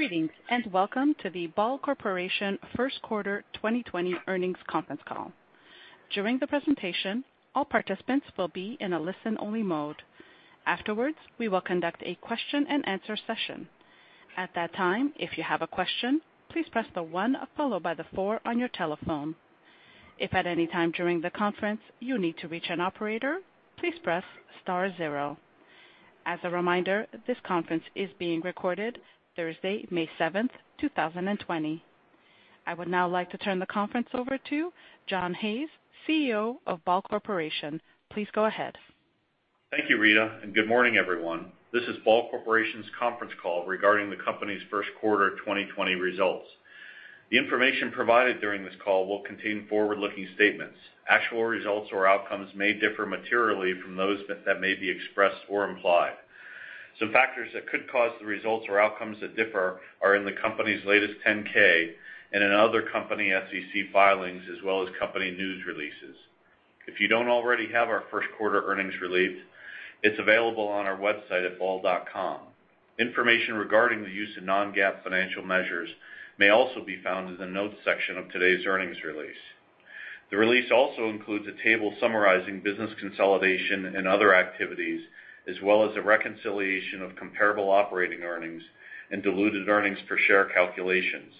Greetings, welcome to the Ball Corporation first quarter 2020 earnings conference call. During the presentation, all participants will be in a listen-only mode. Afterwards, we will conduct a question-and-answer session. At that time, if you have a question, please press the one followed by the four on your telephone. If at any time during the conference you need to reach an operator, please press star zero. As a reminder, this conference is being recorded Thursday, May 7th, 2020. I would now like to turn the conference over to John Hayes, CEO of Ball Corporation. Please go ahead. Thank you, Rita, and good morning, everyone. This is Ball Corporation's conference call regarding the company's first quarter 2020 results. The information provided during this call will contain forward-looking statements. Actual results or outcomes may differ materially from those that may be expressed or implied. Some factors that could cause the results or outcomes to differ are in the company's latest 10-K and in other company SEC filings, as well as company news releases. If you don't already have our first quarter earnings release, it's available on our website at ball.com. Information regarding the use of non-GAAP financial measures may also be found in the notes section of today's earnings release. The release also includes a table summarizing business consolidation and other activities, as well as a reconciliation of comparable operating earnings and diluted earnings per share calculations.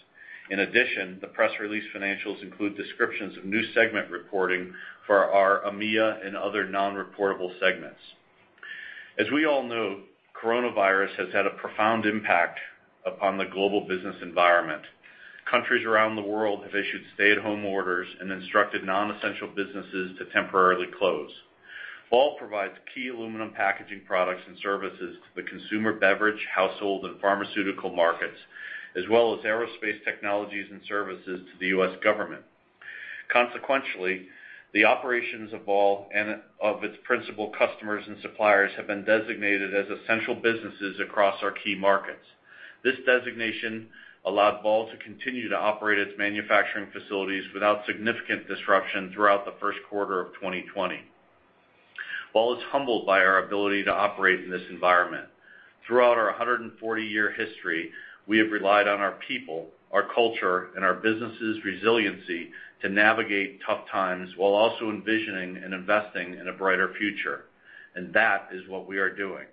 In addition, the press release financials include descriptions of new segment reporting for our AMEA and other non-reportable segments. As we all know, COVID-19 has had a profound impact upon the global business environment. Countries around the world have issued stay-at-home orders and instructed non-essential businesses to temporarily close. Ball provides key aluminum packaging products and services to the consumer beverage, household, and pharmaceutical markets, as well as aerospace technologies and services to the U.S. government. Consequentially, the operations of Ball and of its principal customers and suppliers have been designated as essential businesses across our key markets. This designation allowed Ball to continue to operate its manufacturing facilities without significant disruption throughout the first quarter of 2020. Ball is humbled by our ability to operate in this environment. Throughout our 140-year history, we have relied on our people, our culture, and our business' resiliency to navigate tough times while also envisioning and investing in a brighter future, and that is what we are doing.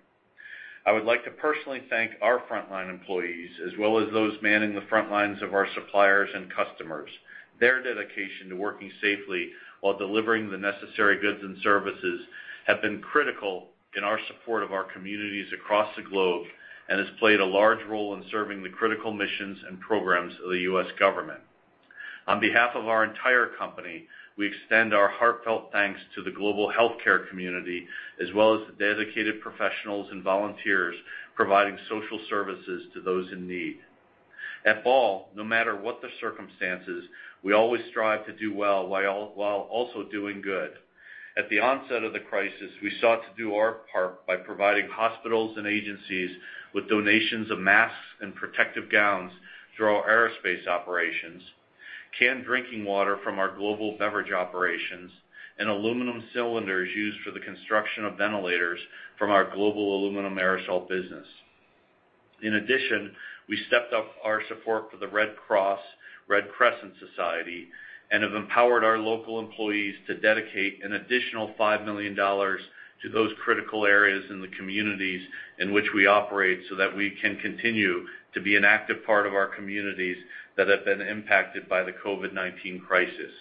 I would like to personally thank our frontline employees, as well as those manning the frontlines of our suppliers and customers. Their dedication to working safely while delivering the necessary goods and services has been critical in our support of our communities across the globe and has played a large role in serving the critical missions and programs of the U.S. government. On behalf of our entire company, we extend our heartfelt thanks to the global healthcare community, as well as the dedicated professionals and volunteers providing social services to those in need. At Ball, no matter what the circumstances, we always strive to do well while also doing good. At the onset of the crisis, we sought to do our part by providing hospitals and agencies with donations of masks and protective gowns through our aerospace operations, canned drinking water from our global beverage operations, and aluminum cylinders used for the construction of ventilators from our global aluminum aerosol business. In addition, we stepped up our support for the Red Cross, Red Crescent Society and have empowered our local employees to dedicate an additional $5 million to those critical areas in the communities in which we operate so that we can continue to be an active part of our communities that have been impacted by the COVID-19 crisis.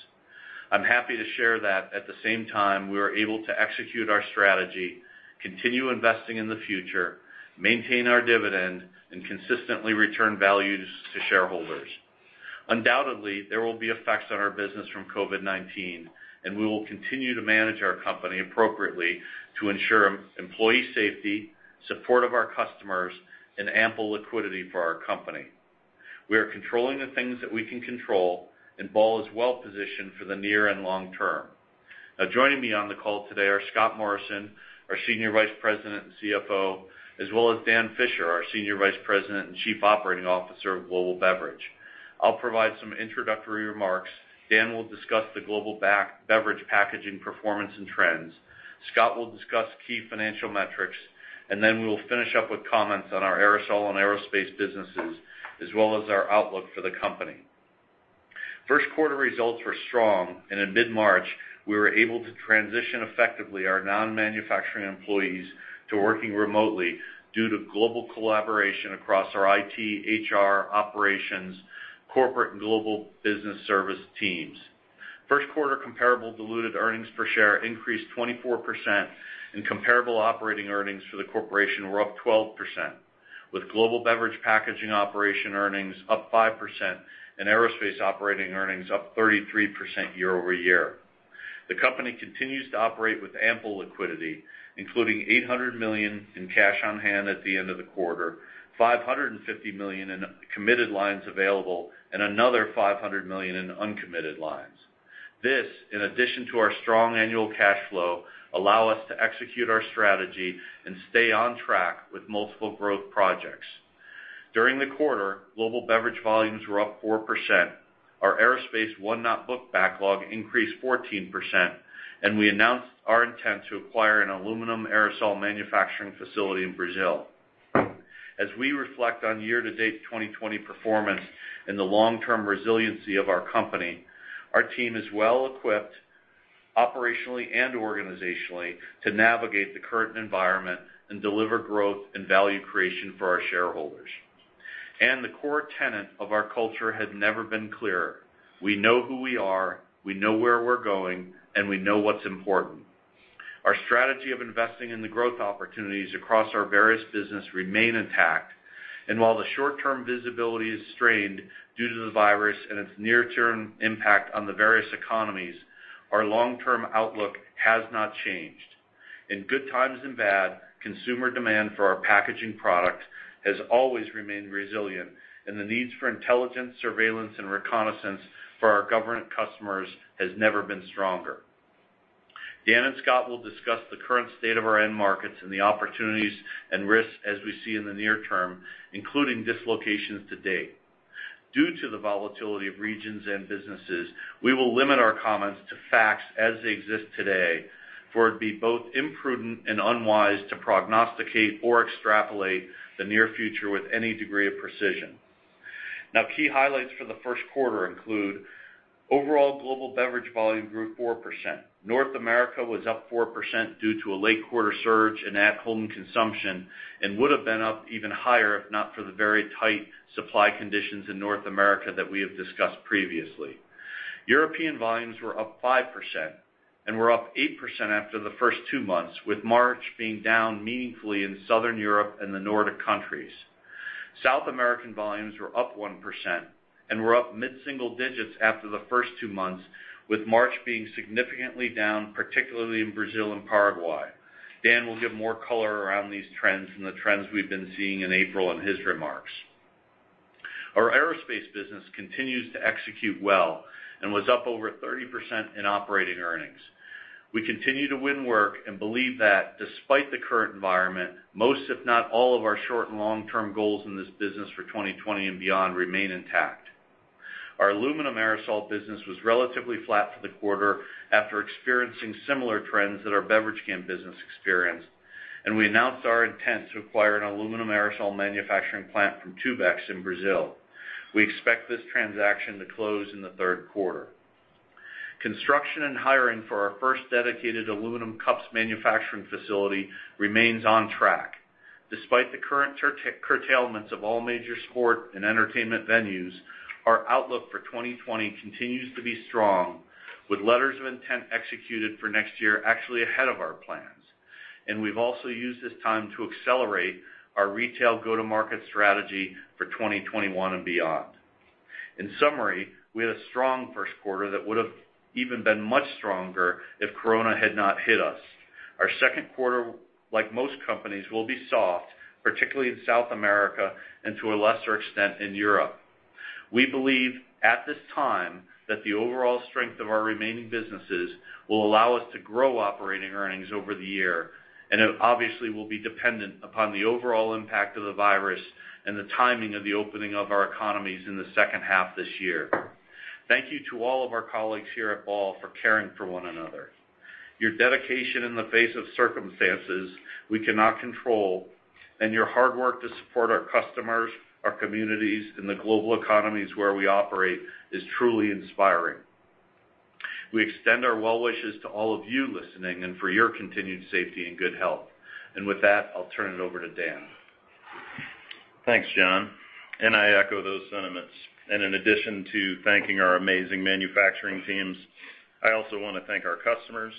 I'm happy to share that at the same time, we were able to execute our strategy, continue investing in the future, maintain our dividend, and consistently return values to shareholders. Undoubtedly, there will be effects on our business from COVID-19, and we will continue to manage our company appropriately to ensure employee safety, support of our customers, and ample liquidity for our company. We are controlling the things that we can control, and Ball is well-positioned for the near and long term. Now joining me on the call today are Scott Morrison, our Senior Vice President and CFO, as well as Dan Fisher, our Senior Vice President and Chief Operating Officer of Global Beverage. I'll provide some introductory remarks. Dan will discuss the Global Beverage packaging performance and trends. Scott will discuss key financial metrics, and then we will finish up with comments on our aerosol and aerospace businesses, as well as our outlook for the company. First quarter results were strong, and in mid-March, we were able to transition effectively our non-manufacturing employees to working remotely due to global collaboration across our IT, HR, operations, corporate, and global business service teams. First quarter comparable diluted earnings per share increased 24%, and comparable operating earnings for the corporation were up 12%, with global beverage packaging operation earnings up 5% and aerospace operating earnings up 33% year-over-year. The company continues to operate with ample liquidity, including $800 million in cash on hand at the end of the quarter, $550 million in committed lines available, and another $500 million in uncommitted lines. This, in addition to our strong annual cash flow, allows us to execute our strategy and stay on track with multiple growth projects. During the quarter, global beverage volumes were up 4%. Our aerospace won-not-booked backlog increased 14%, and we announced our intent to acquire an aluminum aerosol manufacturing facility in Brazil. As we reflect on year-to-date 2020 performance and the long-term resiliency of our company, our team is well-equipped operationally and organizationally to navigate the current environment and deliver growth and value creation for our shareholders. The core tenet of our culture has never been clearer. We know who we are, we know where we're going, and we know what's important. Our strategy of investing in the growth opportunities across our various business remain intact. While the short-term visibility is strained due to the virus and its near-term impact on the various economies, our long-term outlook has not changed. In good times and bad, consumer demand for our packaging product has always remained resilient, and the needs for intelligence, surveillance, and reconnaissance for our government customers has never been stronger. Dan and Scott will discuss the current state of our end markets and the opportunities and risks as we see in the near term, including dislocations to date. Due to the volatility of regions and businesses, we will limit our comments to facts as they exist today, for it'd be both imprudent and unwise to prognosticate or extrapolate the near future with any degree of precision. Key highlights for the first quarter include overall global beverage volume grew 4%. North America was up 4% due to a late quarter surge in at-home consumption and would've been up even higher if not for the very tight supply conditions in North America that we have discussed previously. European volumes were up 5% and were up 8% after the first two months, with March being down meaningfully in Southern Europe and the Nordic countries. South American volumes were up 1% and were up mid-single digits after the first two months, with March being significantly down, particularly in Brazil and Paraguay. Dan will give more color around these trends and the trends we've been seeing in April in his remarks. Our aerospace business continues to execute well and was up over 30% in operating earnings. We continue to win work and believe that despite the current environment, most, if not all of our short and long-term goals in this business for 2020 and beyond remain intact. Our aluminum aerosol business was relatively flat for the quarter after experiencing similar trends that our beverage can business experienced. We announced our intent to acquire an aluminum aerosol manufacturing plant from Tubex in Brazil. We expect this transaction to close in the third quarter. Construction and hiring for our first dedicated aluminum cups manufacturing facility remains on track. Despite the current curtailments of all major sport and entertainment venues, our outlook for 2020 continues to be strong with letters of intent executed for next year actually ahead of our plans. We've also used this time to accelerate our retail go-to-market strategy for 2021 and beyond. In summary, we had a strong first quarter that would've even been much stronger if COVID-19 had not hit us. Our second quarter, like most companies, will be soft, particularly in South America and to a lesser extent in Europe. We believe at this time that the overall strength of our remaining businesses will allow us to grow operating earnings over the year. It obviously will be dependent upon the overall impact of the virus and the timing of the opening of our economies in the second half of this year. Thank you to all of our colleagues here at Ball for caring for one another. Your dedication in the face of circumstances we cannot control and your hard work to support our customers, our communities, and the global economies where we operate is truly inspiring. We extend our well wishes to all of you listening and for your continued safety and good health. With that, I'll turn it over to Dan Fisher. Thanks, John. I echo those sentiments. In addition to thanking our amazing manufacturing teams, I also want to thank our customers,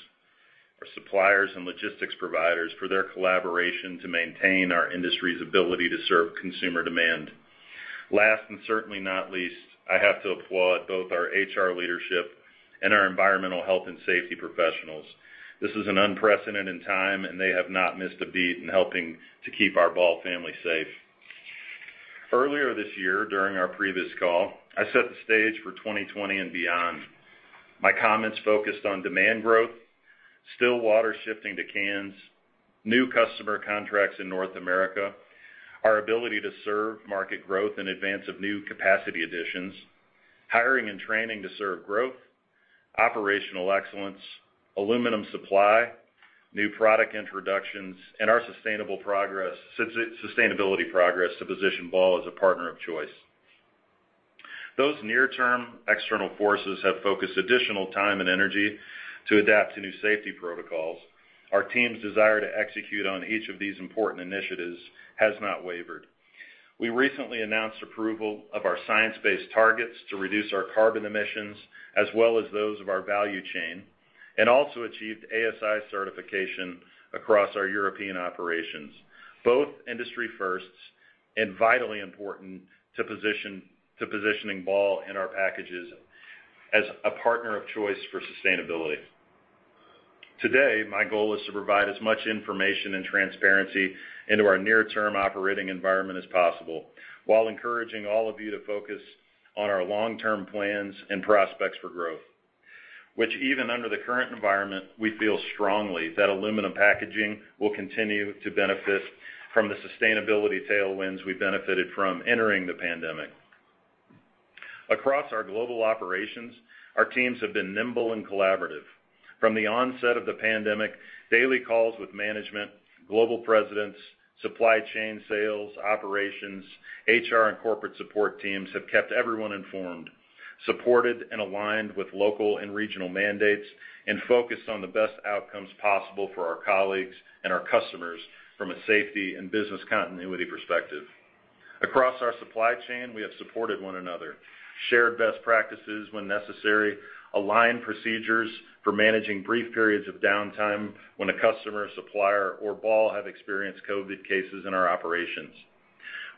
our suppliers and logistics providers for their collaboration to maintain our industry's ability to serve consumer demand. Last and certainly not least, I have to applaud both our HR leadership and our environmental health and safety professionals. This is an unprecedented time, and they have not missed a beat in helping to keep our Ball family safe. Earlier this year during our previous call, I set the stage for 2020 and beyond. My comments focused on demand growth, still water shifting to cans, new customer contracts in North America, our ability to serve market growth in advance of new capacity additions, hiring and training to serve growth, operational excellence, aluminum supply, new product introductions, and our sustainability progress to position Ball as a partner of choice. Those near-term external forces have focused additional time and energy to adapt to new safety protocols. Our team's desire to execute on each of these important initiatives has not wavered. We recently announced approval of our science-based targets to reduce our carbon emissions as well as those of our value chain, and also achieved Aluminium Stewardship Initiative certification across our European operations, both industry firsts and vitally important to positioning Ball and our packages as a partner of choice for sustainability. Today, my goal is to provide as much information and transparency into our near-term operating environment as possible while encouraging all of you to focus on our long-term plans and prospects for growth, which even under the current environment, we feel strongly that aluminum packaging will continue to benefit from the sustainability tailwinds we benefited from entering the pandemic. Across our global operations, our teams have been nimble and collaborative. From the onset of the pandemic, daily calls with management, global presidents, supply chain sales, operations, HR and corporate support teams have kept everyone informed, supported and aligned with local and regional mandates, and focused on the best outcomes possible for our colleagues and our customers from a safety and business continuity perspective. Across our supply chain, we have supported one another, shared best practices when necessary, aligned procedures for managing brief periods of downtime when a customer, supplier or Ball have experienced COVID cases in our operations.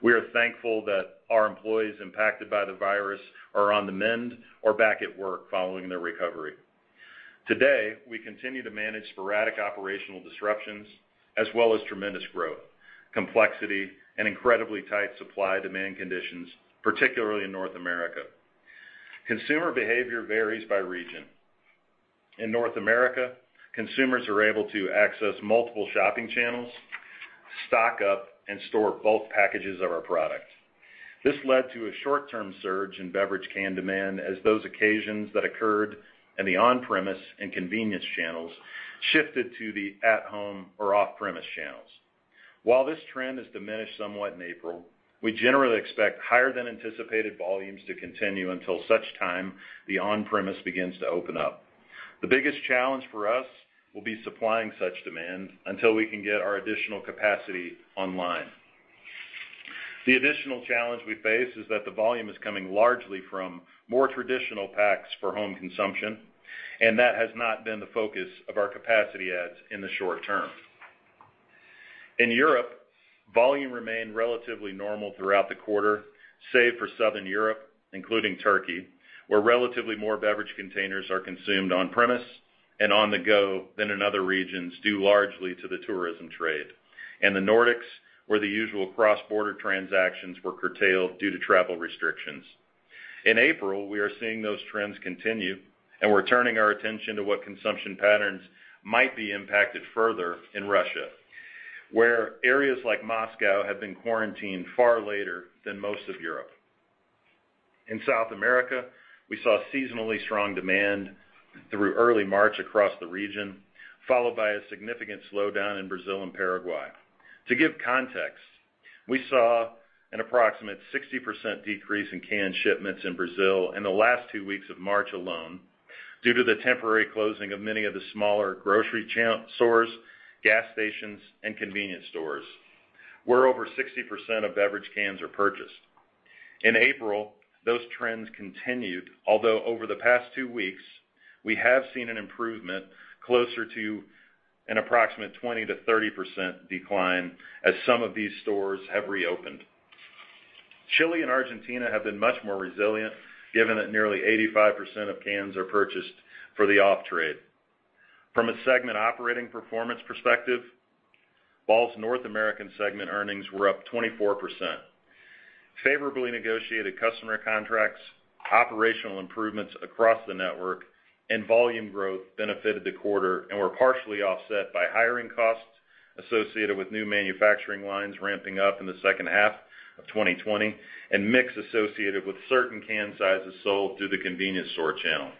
We are thankful that our employees impacted by the virus are on the mend or back at work following their recovery. Today, we continue to manage sporadic operational disruptions as well as tremendous growth, complexity, and incredibly tight supply-demand conditions, particularly in North America. Consumer behavior varies by region. In North America, consumers are able to access multiple shopping channels, stock up, and store both packages of our product. This led to a short-term surge in beverage can demand as those occasions that occurred in the on-premise and convenience channels shifted to the at-home or off-premise channels. While this trend has diminished somewhat in April, we generally expect higher than anticipated volumes to continue until such time the on-premise begins to open up. The biggest challenge for us will be supplying such demand until we can get our additional capacity online. The additional challenge we face is that the volume is coming largely from more traditional packs for home consumption, and that has not been the focus of our capacity adds in the short term. In Europe, volume remained relatively normal throughout the quarter, save for Southern Europe, including Turkey, where relatively more beverage containers are consumed on-premise and on the go than in other regions, due largely to the tourism trade. The Nordics, where the usual cross-border transactions were curtailed due to travel restrictions. In April, we are seeing those trends continue, and we're turning our attention to what consumption patterns might be impacted further in Russia, where areas like Moscow have been quarantined far later than most of Europe. In South America, we saw seasonally strong demand through early March across the region, followed by a significant slowdown in Brazil and Paraguay. To give context, we saw an approximate 60% decrease in canned shipments in Brazil in the last two weeks of March alone due to the temporary closing of many of the smaller grocery stores, gas stations and convenience stores, where over 60% of beverage cans are purchased. In April, those trends continued, although over the past two weeks, we have seen an improvement closer to an approximate 20%-30% decline as some of these stores have reopened. Chile and Argentina have been much more resilient, given that nearly 85% of cans are purchased for the off-trade. From a segment operating performance perspective, Ball's North American segment earnings were up 24%. Favorably negotiated customer contracts, operational improvements across the network, and volume growth benefited the quarter and were partially offset by hiring costs associated with new manufacturing lines ramping up in the second half of 2020, and mix associated with certain can sizes sold through the convenience store channel.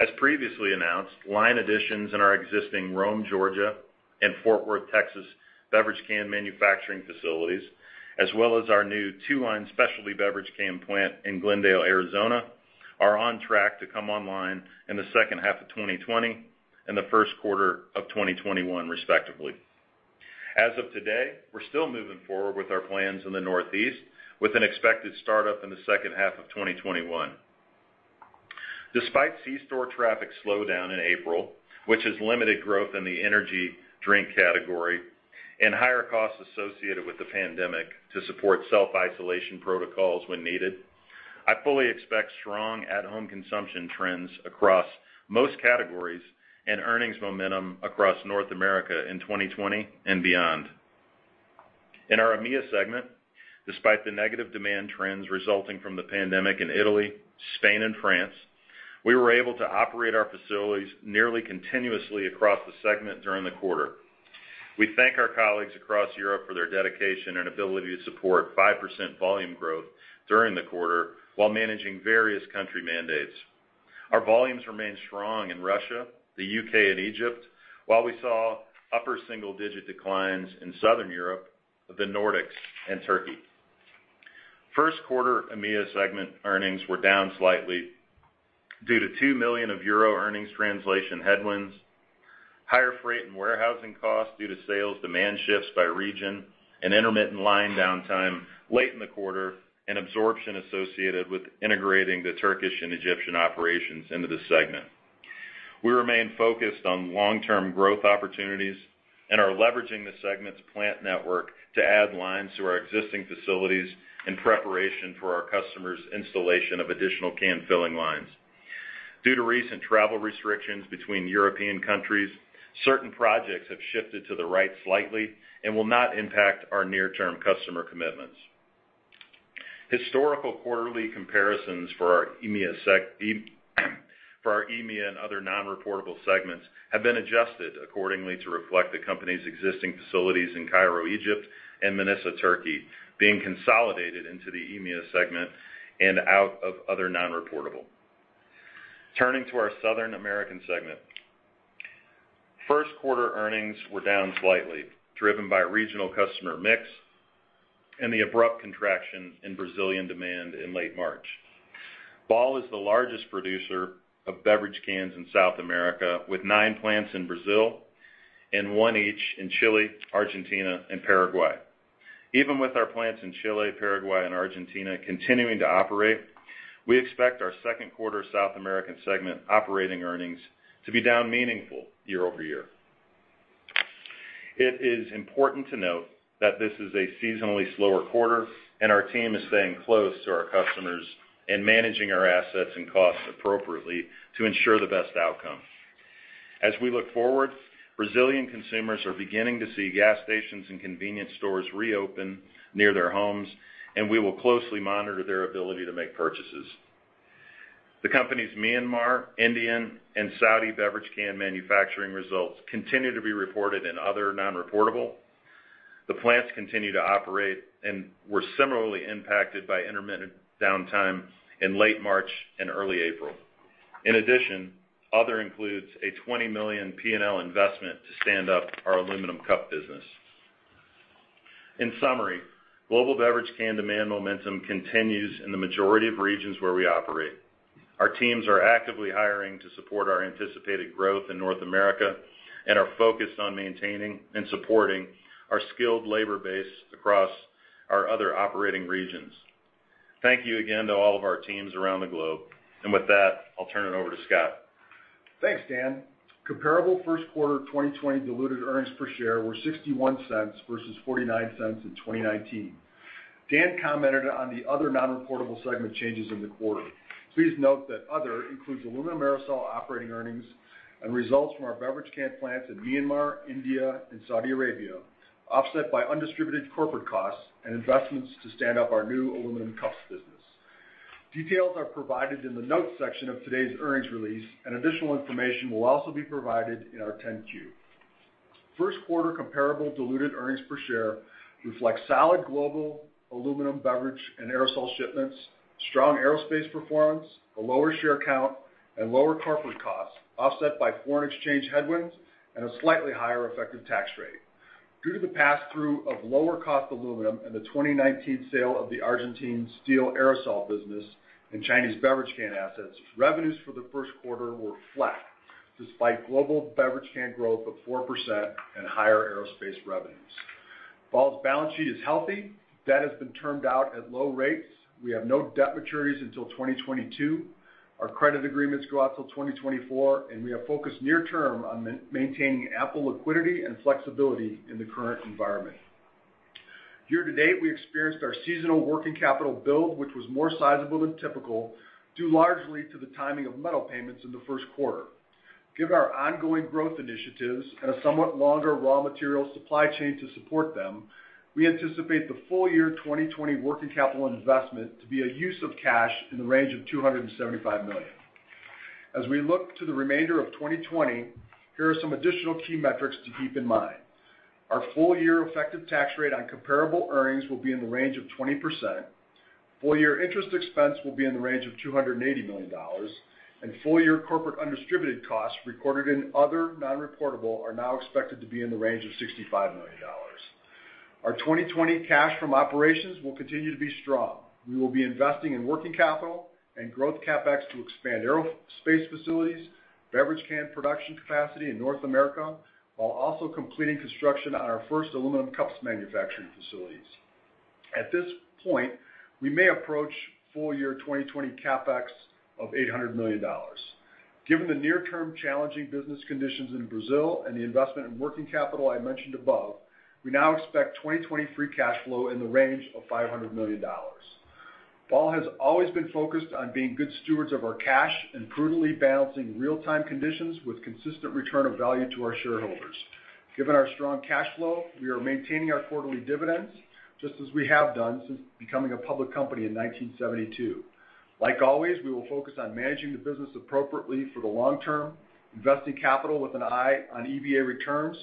As previously announced, line additions in our existing Rome, Georgia and Fort Worth, Texas beverage can manufacturing facilities, as well as our new two-line specialty beverage can plant in Glendale, Arizona, are on track to come online in the second half of 2020 and the first quarter of 2021, respectively. As of today, we're still moving forward with our plans in the Northeast, with an expected startup in the second half of 2021. Despite C-store traffic slowdown in April, which has limited growth in the energy drink category, and higher costs associated with the pandemic to support self-isolation protocols when needed, I fully expect strong at-home consumption trends across most categories and earnings momentum across North America in 2020 and beyond. In our EMEA segment, despite the negative demand trends resulting from the pandemic in Italy, Spain and France, we were able to operate our facilities nearly continuously across the segment during the quarter. We thank our colleagues across Europe for their dedication and ability to support 5% volume growth during the quarter while managing various country mandates. Our volumes remained strong in Russia, the U.K. and Egypt, while we saw upper single-digit declines in Southern Europe, the Nordics and Turkey. First quarter EMEA segment earnings were down slightly due to 2 million euro of earnings translation headwinds, higher freight and warehousing costs due to sales demand shifts by region, and intermittent line downtime late in the quarter, and absorption associated with integrating the Turkish and Egyptian operations into the segment. We remain focused on long-term growth opportunities and are leveraging the segment's plant network to add lines to our existing facilities in preparation for our customers' installation of additional can-filling lines. Due to recent travel restrictions between European countries, certain projects have shifted to the right slightly and will not impact our near-term customer commitments. Historical quarterly comparisons for our EMEA and other non-reportable segments have been adjusted accordingly to reflect the company's existing facilities in Cairo, Egypt, and Manisa, Turkey, being consolidated into the EMEA segment and out of other non-reportable. Turning to our Southern American segment. First quarter earnings were down slightly, driven by regional customer mix and the abrupt contraction in Brazilian demand in late March. Ball is the largest producer of beverage cans in South America, with nine plants in Brazil and one each in Chile, Argentina, and Paraguay. Even with our plants in Chile, Paraguay, and Argentina continuing to operate, we expect our second quarter South American segment operating earnings to be down meaningful year-over-year. It is important to note that this is a seasonally slower quarter, and our team is staying close to our customers and managing our assets and costs appropriately to ensure the best outcome. As we look forward, Brazilian consumers are beginning to see gas stations and convenience stores reopen near their homes, and we will closely monitor their ability to make purchases. The company's Myanmar, Indian, and Saudi beverage can manufacturing results continue to be reported in other non-reportable. The plants continue to operate and were similarly impacted by intermittent downtime in late March and early April. In addition, other includes a $20 million P&L investment to stand up our aluminum cup business. In summary, global beverage can demand momentum continues in the majority of regions where we operate. Our teams are actively hiring to support our anticipated growth in North America and are focused on maintaining and supporting our skilled labor base across our other operating regions. Thank you again to all of our teams around the globe. With that, I'll turn it over to Scott Morrison. Thanks, Dan. Comparable first quarter 2020 diluted earnings per share were $0.61 versus $0.49 in 2019. Dan commented on the other non-reportable segment changes in the quarter. Please note that other includes aluminum aerosol operating earnings and results from our beverage can plants in Myanmar, India, and Saudi Arabia, offset by undistributed corporate costs and investments to stand up our new aluminum cups business. Details are provided in the notes section of today's earnings release. Additional information will also be provided in our 10-Q. First quarter comparable diluted earnings per share reflect solid global aluminum beverage and aerosol shipments, strong aerospace performance, a lower share count, and lower corporate costs, offset by foreign exchange headwinds and a slightly higher effective tax rate. Due to the pass-through of lower-cost aluminum and the 2019 sale of the Argentine steel aerosol business and Chinese beverage can assets, revenues for the first quarter were flat, despite global beverage can growth of 4% and higher aerospace revenues. Ball's balance sheet is healthy. Debt has been termed out at low rates. We have no debt maturities until 2022. Our credit agreements go out till 2024, and we are focused near term on maintaining ample liquidity and flexibility in the current environment. Year-to-date, we experienced our seasonal working capital build, which was more sizable than typical, due largely to the timing of metal payments in the first quarter. Given our ongoing growth initiatives and a somewhat longer raw material supply chain to support them, we anticipate the full-year 2020 working capital investment to be a use of cash in the range of $275 million. As we look to the remainder of 2020, here are some additional key metrics to keep in mind. Our full-year effective tax rate on comparable earnings will be in the range of 20%. Full-year interest expense will be in the range of $280 million. Full-year corporate undistributed costs recorded in other non-reportable are now expected to be in the range of $65 million. Our 2020 cash from operations will continue to be strong. We will be investing in working capital and growth CapEx to expand aerospace facilities, beverage can production capacity in North America, while also completing construction on our first aluminum cups manufacturing facilities. At this point, we may approach full-year 2020 CapEx of $800 million. Given the near-term challenging business conditions in Brazil and the investment in working capital I mentioned above, we now expect 2020 free cash flow in the range of $500 million. Ball has always been focused on being good stewards of our cash and prudently balancing real-time conditions with consistent return of value to our shareholders. Given our strong cash flow, we are maintaining our quarterly dividends, just as we have done since becoming a public company in 1972. Like always, we will focus on managing the business appropriately for the long term, investing capital with an eye on Economic Value Added returns,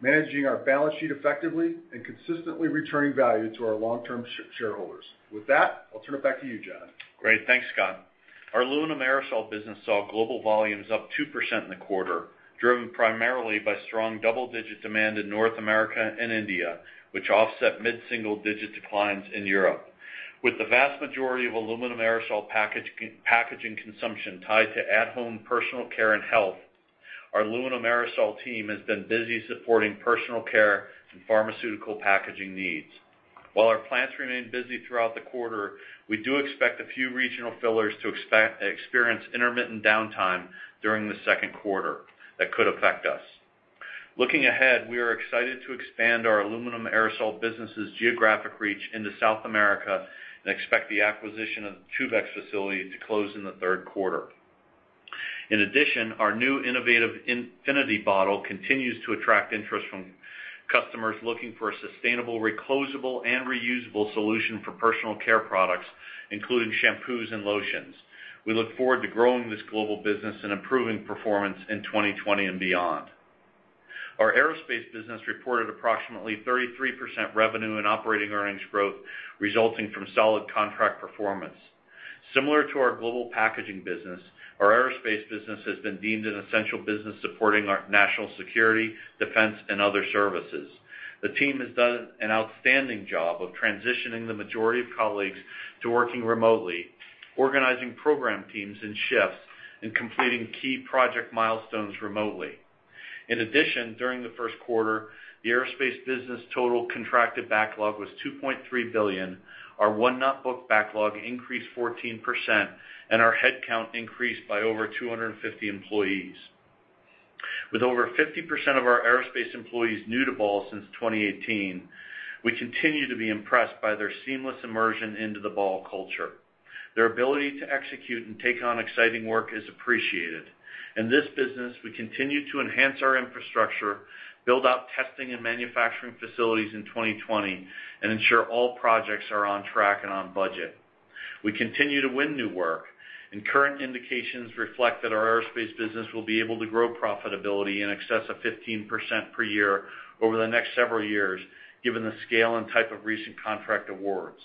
managing our balance sheet effectively, and consistently returning value to our long-term shareholders. With that, I'll turn it back to you, John. Great. Thanks, Scott. Our aluminum aerosol business saw global volumes up 2% in the quarter, driven primarily by strong double-digit demand in North America and India, which offset mid-single-digit declines in Europe. With the vast majority of aluminum aerosol packaging consumption tied to at-home personal care and health, our aluminum aerosol team has been busy supporting personal care and pharmaceutical packaging needs. While our plants remain busy throughout the quarter, we do expect a few regional fillers to experience intermittent downtime during the second quarter that could affect us. Looking ahead, we are excited to expand our aluminum aerosol business' geographic reach into South America and expect the acquisition of the Tubex facility to close in the third quarter. In addition, our new innovative Infinity bottle continues to attract interest from customers looking for a sustainable, reclosable, and reusable solution for personal care products, including shampoos and lotions. We look forward to growing this global business and improving performance in 2020 and beyond. Our aerospace business reported approximately 33% revenue in operating earnings growth, resulting from solid contract performance. Similar to our global packaging business, our aerospace business has been deemed an essential business supporting our national security, defense, and other services. The team has done an outstanding job of transitioning the majority of colleagues to working remotely, organizing program teams in shifts, and completing key project milestones remotely. In addition, during the first quarter, the aerospace business total contracted backlog was $2.3 billion. Our won-not-booked backlog increased 14%, and our head count increased by over 250 employees. With over 50% of our Ball Aerospace employees new to Ball since 2018, we continue to be impressed by their seamless immersion into the Ball culture. Their ability to execute and take on exciting work is appreciated. In this business, we continue to enhance our infrastructure, build out testing and manufacturing facilities in 2020, and ensure all projects are on track and on budget. We continue to win new work. Current indications reflect that our Ball Aerospace business will be able to grow profitability in excess of 15% per year over the next several years, given the scale and type of recent contract awards.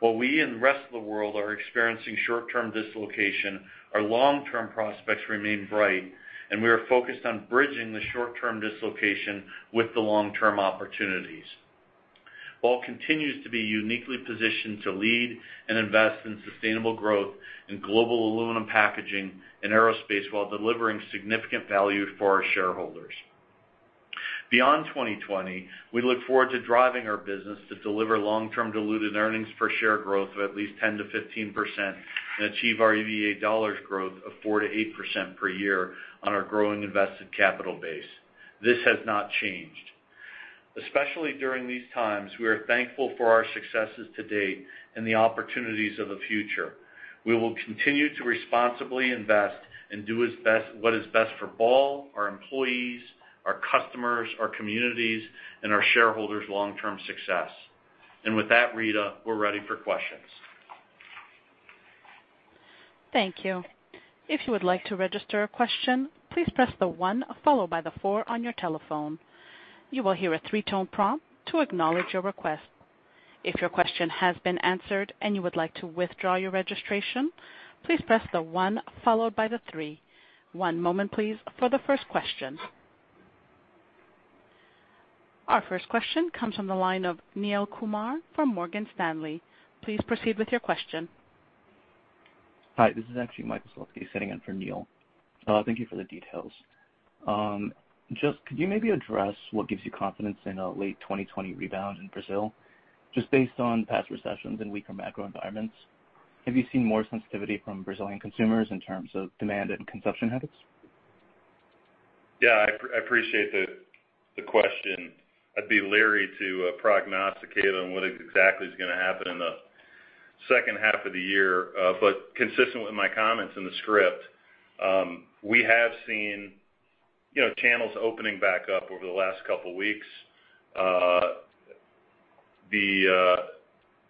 While we and the rest of the world are experiencing short-term dislocation, our long-term prospects remain bright, and we are focused on bridging the short-term dislocation with the long-term opportunities. Ball continues to be uniquely positioned to lead and invest in sustainable growth in global aluminum packaging and aerospace, while delivering significant value for our shareholders. Beyond 2020, we look forward to driving our business to deliver long-term diluted earnings per share growth of at least 10%-15% and achieve our EVA dollars growth of 4%-8% per year on our growing invested capital base. This has not changed. Especially during these times, we are thankful for our successes to date and the opportunities of the future. We will continue to responsibly invest and do what is best for Ball, our employees, our customers, our communities, and our shareholders' long-term success. With that, Rita, we're ready for questions. Thank you. If you would like to register a question, please press the one followed by the four on your telephone. You will hear a three-tone prompt to acknowledge your request. If your question has been answered and you would like to withdraw your registration, please press the one followed by the three. One moment, please, for the first question. Our first question comes from the line of Neel Kumar from Morgan Stanley. Please proceed with your question. Hi, this is actually Michael Slutsky sitting in for Neel. Thank you for the details. Could you maybe address what gives you confidence in a late 2020 rebound in Brazil? Just based on past recessions and weaker macro environments, have you seen more sensitivity from Brazilian consumers in terms of demand and consumption habits? Yeah, I appreciate the question. I'd be leery to prognosticate on what exactly is going to happen in the second half of the year. Consistent with my comments in the script, we have seen channels opening back up over the last couple of weeks.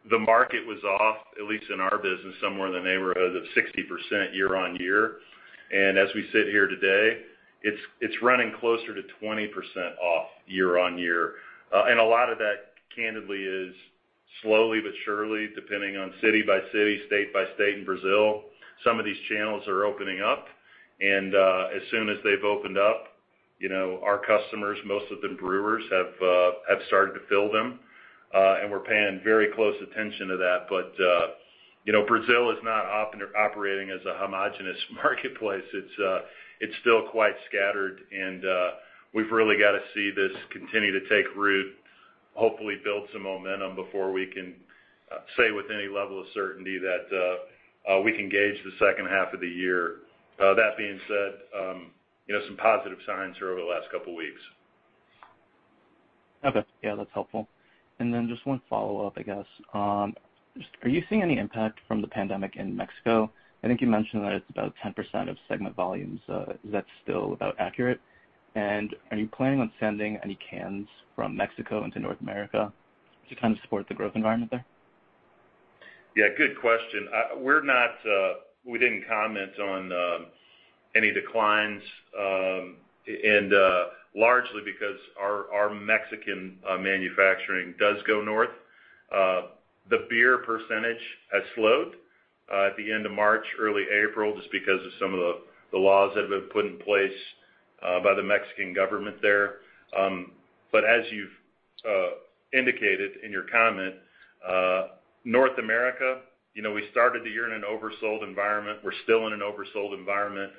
The market was off, at least in our business, somewhere in the neighborhood of 60% year-on-year. As we sit here today, it's running closer to 20% off year-on-year. A lot of that, candidly, is slowly but surely, depending on city by city, state by state in Brazil, some of these channels are opening up. As soon as they've opened up, our customers, most of them brewers, have started to fill them. We're paying very close attention to that. Brazil is not operating as a homogenous marketplace. It's still quite scattered, and we've really got to see this continue to take root. Hopefully, build some momentum before we can say with any level of certainty that we can gauge the second half of the year. That being said, some positive signs are over the last couple of weeks. Okay. Yeah, that's helpful. Then just one follow-up, I guess. Are you seeing any impact from the pandemic in Mexico? I think you mentioned that it's about 10% of segment volumes. Is that still about accurate? Are you planning on sending any cans from Mexico into North America to support the growth environment there? Yeah, good question. Largely because our Mexican manufacturing does go north. The beer percentage has slowed at the end of March, early April, just because of some of the laws that have been put in place by the Mexican government there. As you've indicated in your comment, North America, we started the year in an oversold environment. We're still in an oversold environment.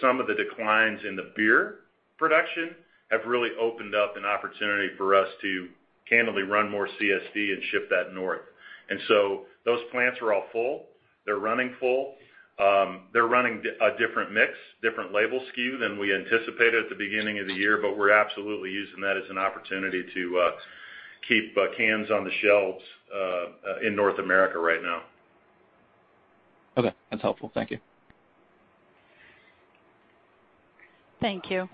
Some of the declines in the beer production have really opened up an opportunity for us to candidly run more carbonated soft drink and ship that north. Those plants are all full. They're running full. They're running a different mix, different label stock-keeping unit than we anticipated at the beginning of the year, but we're absolutely using that as an opportunity to Keep cans on the shelves in North America right now. Okay. That's helpful. Thank you. Thank you.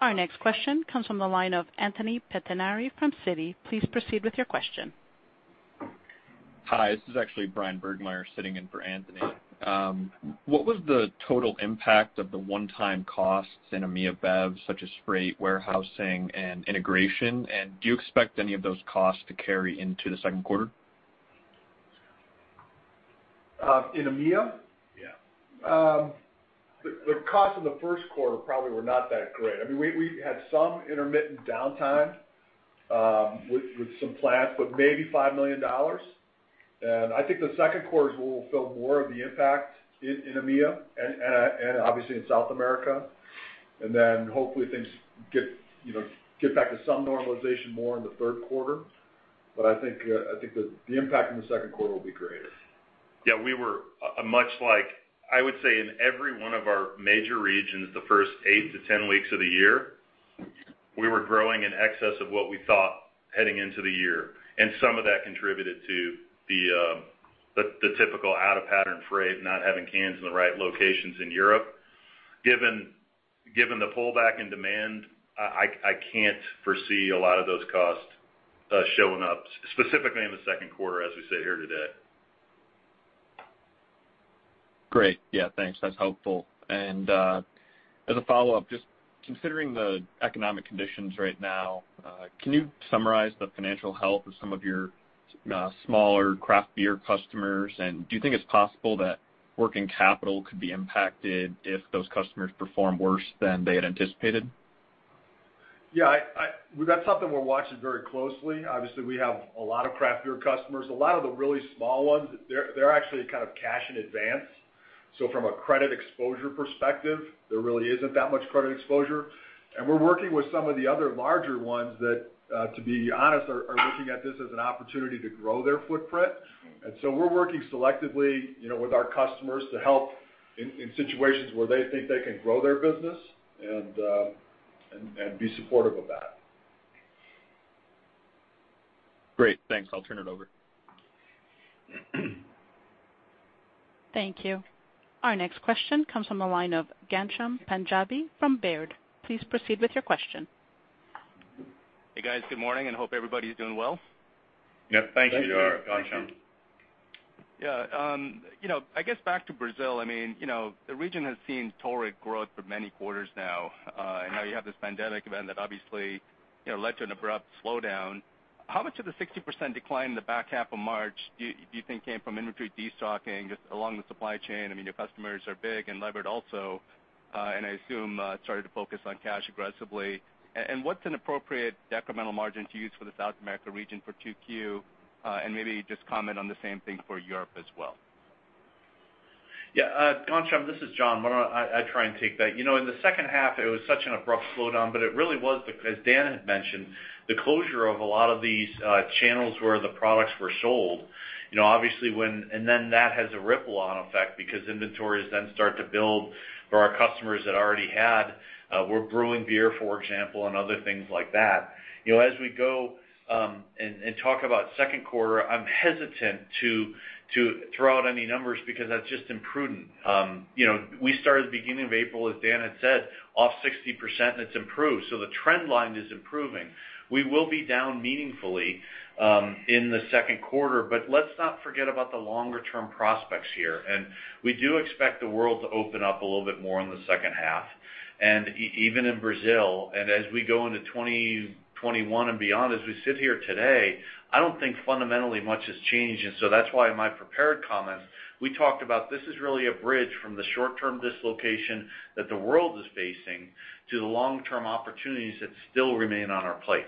Our next question comes from the line of Anthony Pettinari from Citigroup. Please proceed with your question. Hi, this is actually Bryan Burgmeier sitting in for Anthony. What was the total impact of the one-time costs in EMEA Bev, such as freight, warehousing, and integration? Do you expect any of those costs to carry into the second quarter? In EMEA? Yeah. The costs in the first quarter probably were not that great. We had some intermittent downtime with some plants, but maybe $5 million. I think the second quarter is where we'll feel more of the impact in EMEA and obviously in South America. Hopefully things get back to some normalization more in the third quarter. I think the impact in the second quarter will be greater. Yeah, I would say, in every one of our major regions, the first eight to 10 weeks of the year, we were growing in excess of what we thought heading into the year. Some of that contributed to the typical out-of-pattern freight, not having cans in the right locations in Europe. Given the pullback in demand, I can't foresee a lot of those costs showing up, specifically in the second quarter, as we sit here today. Great. Yeah, thanks. That's helpful. As a follow-up, just considering the economic conditions right now, can you summarize the financial health of some of your smaller craft beer customers? Do you think it's possible that working capital could be impacted if those customers perform worse than they had anticipated? Yeah. That's something we're watching very closely. Obviously, we have a lot of craft beer customers. A lot of the really small ones, they're actually kind of cash in advance. From a credit exposure perspective, there really isn't that much credit exposure. We're working with some of the other larger ones that, to be honest, are looking at this as an opportunity to grow their footprint. We're working selectively with our customers to help in situations where they think they can grow their business and be supportive of that. Great. Thanks. I'll turn it over. Thank you. Our next question comes from the line of Ghansham Panjabi from Baird. Please proceed with your question. Hey, guys. Good morning, and hope everybody's doing well. Yep. Thank you, Ghansham. Thank you. Yeah. I guess back to Brazil. The region has seen torrid growth for many quarters now. Now you have this pandemic event that obviously led to an abrupt slowdown. How much of the 60% decline in the back half of March do you think came from inventory de-stocking, just along the supply chain? Your customers are big and levered also, and I assume started to focus on cash aggressively. What's an appropriate decremental margin to use for the South America region for 2Q? Maybe just comment on the same thing for Europe as well. Yeah. Ghansham, this is John Hayes. I'll try and take that. In the second half, it was such an abrupt slowdown, it really was, as Dan had mentioned, the closure of a lot of these channels where the products were sold. That has a ripple on effect because inventories then start to build for our customers that already were brewing beer, for example, and other things like that. As we go and talk about second quarter, I'm hesitant to throw out any numbers because that's just imprudent. We started the beginning of April, as Dan had said, off 60%, it's improved. The trend line is improving. We will be down meaningfully in the second quarter, let's not forget about the longer-term prospects here. We do expect the world to open up a little bit more in the second half. Even in Brazil, and as we go into 2021 and beyond, as we sit here today, I don't think fundamentally much has changed. That's why in my prepared comments, we talked about this is really a bridge from the short-term dislocation that the world is facing to the long-term opportunities that still remain on our plate.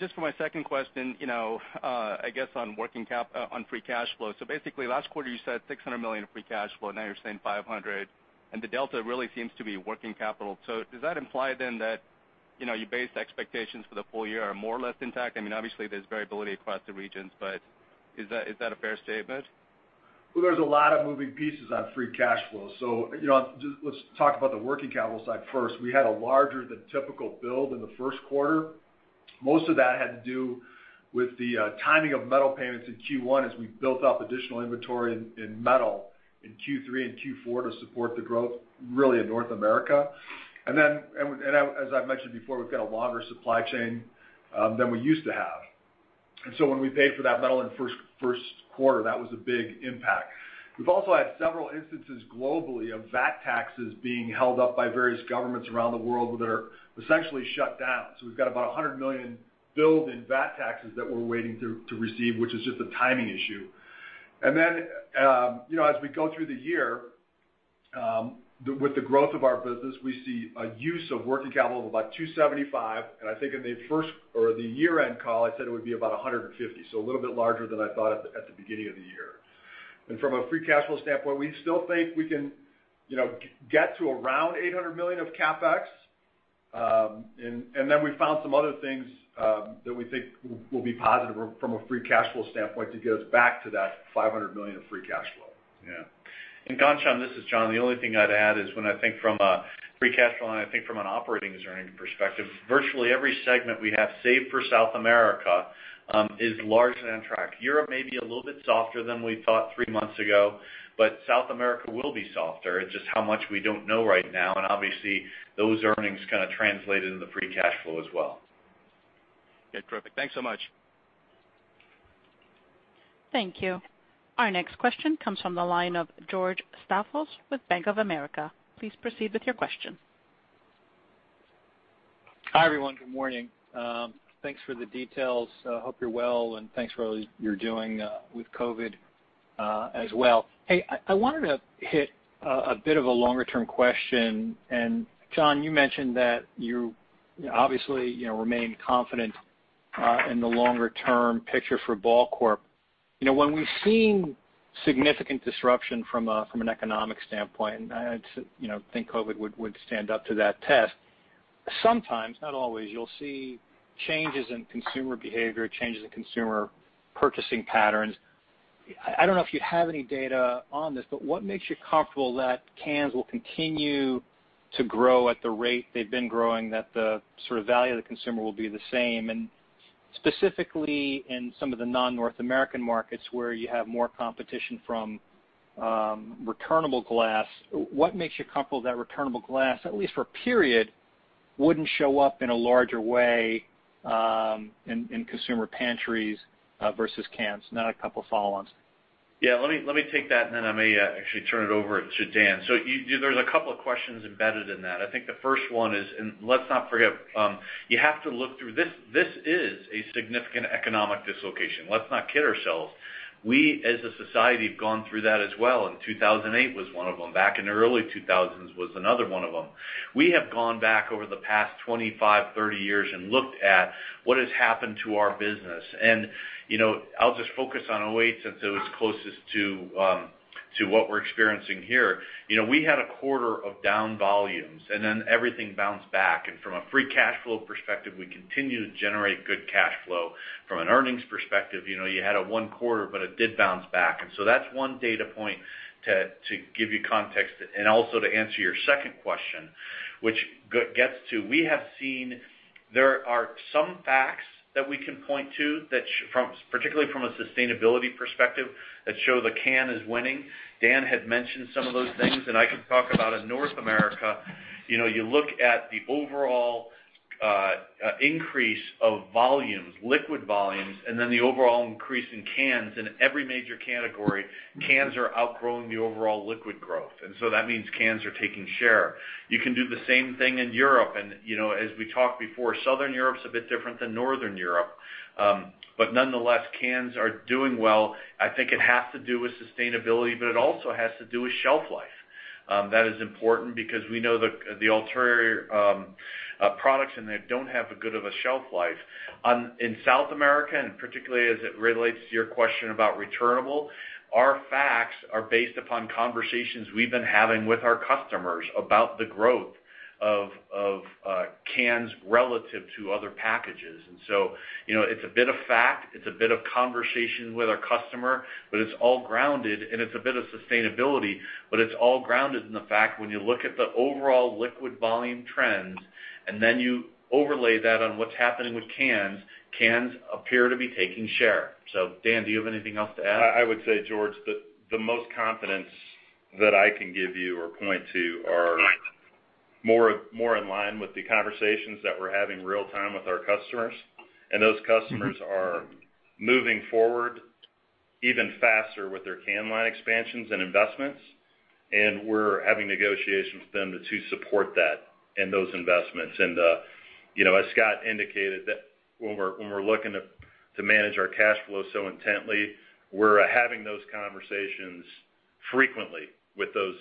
Just for my second question, I guess on working cap on free cash flow. Basically, last quarter, you said $600 million of free cash flow. Now you're saying $500. The delta really seems to be working capital. Does that imply then that your base expectations for the full year are more or less intact? Obviously, there's variability across the regions, but is that a fair statement? Well, there's a lot of moving pieces on free cash flow. Let's talk about the working capital side first. We had a larger than typical build in the first quarter. Most of that had to do with the timing of metal payments in Q1 as we built up additional inventory in metal in Q3 and Q4 to support the growth really in North America. As I've mentioned before, we've got a longer supply chain than we used to have. When we paid for that metal in first quarter, that was a big impact. We've also had several instances globally of value-added taxes being held up by various governments around the world that are essentially shut down. We've got about $100 million build in VAT taxes that we're waiting to receive, which is just a timing issue. As we go through the year, with the growth of our business, we see a use of working capital of about $275, and I think in the first or the year-end call, I said it would be about $150. A little bit larger than I thought at the beginning of the year. From a free cash flow standpoint, we still think we can get to around $800 million of CapEx. We found some other things that we think will be positive from a free cash flow standpoint to get us back to that $500 million of free cash flow. Ghansham, this is John. The only thing I'd add is when I think from a free cash flow, and I think from an operating earnings perspective, virtually every segment we have, save for South America, is largely on track. Europe may be a little bit softer than we thought three months ago, South America will be softer. It's just how much we don't know right now. Obviously, those earnings kind of translated into free cash flow as well. Okay, perfect. Thanks so much. Thank you. Our next question comes from the line of George Staphos with Bank of America. Please proceed with your question. Hi, everyone. Good morning. Thanks for the details. Hope you're well, and thanks for all you're doing with COVID as well. Hey, I wanted to hit a bit of a longer-term question. John, you mentioned that you obviously remain confident in the longer-term picture for Ball Corp. When we've seen significant disruption from an economic standpoint, and I'd think COVID would stand up to that test. Sometimes, not always, you'll see changes in consumer behavior, changes in consumer purchasing patterns. I don't know if you have any data on this, but what makes you comfortable that cans will continue to grow at the rate they've been growing, that the sort of value of the consumer will be the same? Specifically in some of the non-North American markets where you have more competition from returnable glass, what makes you comfortable that returnable glass, at least for a period, wouldn't show up in a larger way in consumer pantries versus cans? Now a couple follow-ons. Yeah, let me take that, then I may actually turn it over to Dan. There's a couple of questions embedded in that. I think the first one is, and let's not forget, you have to look through this. This is a significant economic dislocation. Let's not kid ourselves. We, as a society, have gone through that as well, 2008 was one of them. Back in the early 2000s was another one of them. We have gone back over the past 25, 30 years and looked at what has happened to our business. I'll just focus on '08 since it was closest to what we're experiencing here. We had a quarter of down volumes, then everything bounced back, from a free cash flow perspective, we continued to generate good cash flow. From an earnings perspective, you had a one quarter, it did bounce back. That's one data point to give you context and also to answer your second question, which gets to, we have seen there are some facts that we can point to, particularly from a sustainability perspective, that show the can is winning. Dan had mentioned some of those things, and I can talk about in North America. You look at the overall increase of volumes, liquid volumes, and then the overall increase in cans. In every major category, cans are outgrowing the overall liquid growth. That means cans are taking share. You can do the same thing in Europe. As we talked before, Southern Europe is a bit different than Northern Europe. Nonetheless, cans are doing well. I think it has to do with sustainability, but it also has to do with shelf life. That is important because we know the other products, and they don't have as good of a shelf life. In South America, and particularly as it relates to your question about returnable, our facts are based upon conversations we've been having with our customers about the growth of cans relative to other packages. It's a bit of fact, it's a bit of conversation with our customer, but it's all grounded, and it's a bit of sustainability, but it's all grounded in the fact, when you look at the overall liquid volume trends, and then you overlay that on what's happening with cans appear to be taking share. Dan, do you have anything else to add? I would say, George, the most confidence that I can give you or point to are more in line with the conversations that we're having real time with our customers. Those customers are moving forward even faster with their can line expansions and investments, and we're having negotiations with them to support that and those investments. As Scott indicated, when we're looking to manage our cash flow so intently, we're having those conversations frequently with those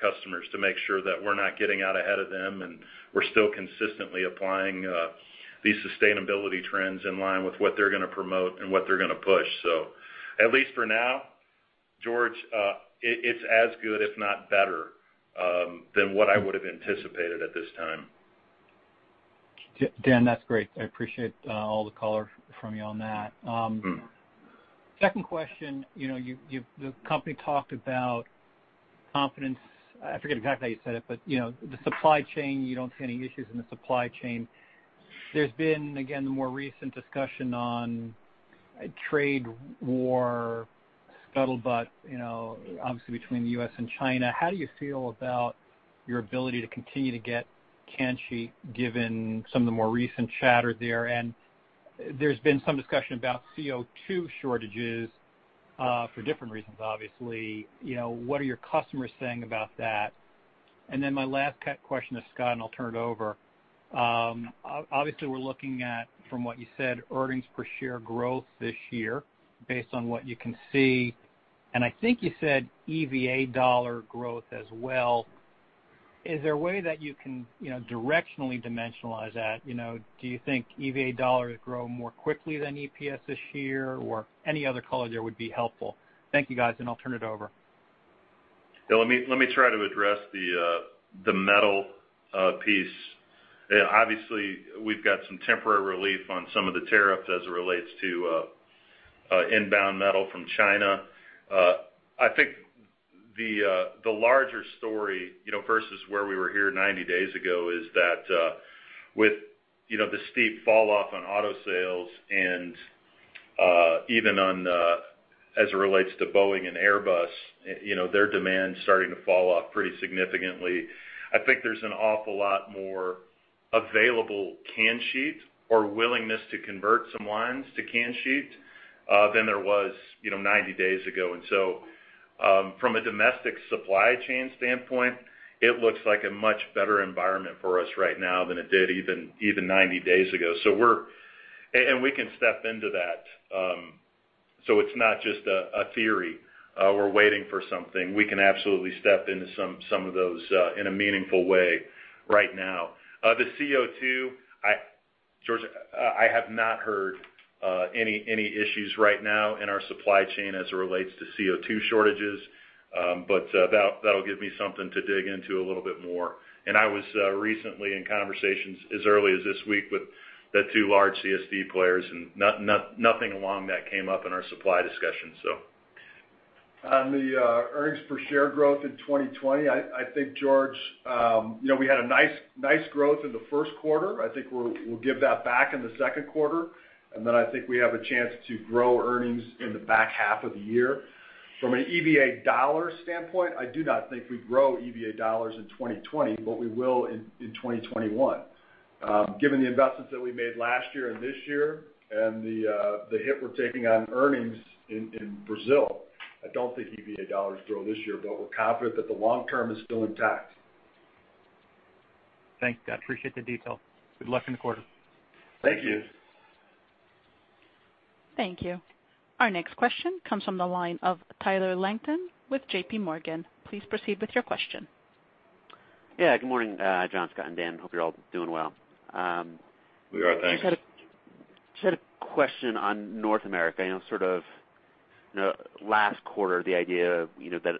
customers to make sure that we're not getting out ahead of them and we're still consistently applying these sustainability trends in line with what they're going to promote and what they're going to push. At least for now, George, it's as good, if not better, than what I would have anticipated at this time. Dan, that's great. I appreciate all the color from you on that. Second question. The company talked about confidence. I forget exactly how you said it, the supply chain, you don't see any issues in the supply chain. There's been, again, the more recent discussion on trade war scuttlebutt, obviously between the U.S. and China. How do you feel about your ability to continue to get can sheet given some of the more recent chatter there? There's been some discussion about CO2 shortages for different reasons, obviously. What are your customers saying about that? Then my last question to Scott, I'll turn it over. Obviously, we're looking at, from what you said, earnings per share growth this year based on what you can see, and I think you said EVA dollar growth as well. Is there a way that you can directionally dimensionalize that? Do you think EVA dollars grow more quickly than EPS this year, or any other color there would be helpful? Thank you, guys, and I'll turn it over. Let me try to address the metal piece. Obviously, we've got some temporary relief on some of the tariffs as it relates to inbound metal from China. I think the larger story versus where we were here 90 days ago is that with the steep falloff on auto sales and even as it relates to Boeing and Airbus, their demand's starting to fall off pretty significantly. I think there's an awful lot more available can sheet or willingness to convert some lines to can sheet than there was 90 days ago. From a domestic supply chain standpoint, it looks like a much better environment for us right now than it did even 90 days ago. We can step into that. It's not just a theory. We're waiting for something. We can absolutely step into some of those in a meaningful way right now. The CO2, George, I have not heard any issues right now in our supply chain as it relates to CO2 shortages. That'll give me something to dig into a little bit more. I was recently in conversations as early as this week with the two large CSD players, and nothing along that came up in our supply discussion. On the earnings per share growth in 2020, I think, George, we had a nice growth in the first quarter. I think we'll give that back in the second quarter, and then I think we have a chance to grow earnings in the back half of the year. From an EVA dollar standpoint, I do not think we grow EVA dollars in 2020, but we will in 2021. Given the investments that we made last year and this year and the hit we're taking on earnings in Brazil, I don't think EVA dollars grow this year, but we're confident that the long term is still intact. Thanks, guys. Appreciate the detail. Good luck in the quarter. Thank you. Thank you. Thank you. Our next question comes from the line of Tyler Langton with JPMorgan. Please proceed with your question. Yeah. Good morning, John, Scott, and Dan. Hope you're all doing well. We are, thanks. Just had a question on North America. Last quarter, the idea that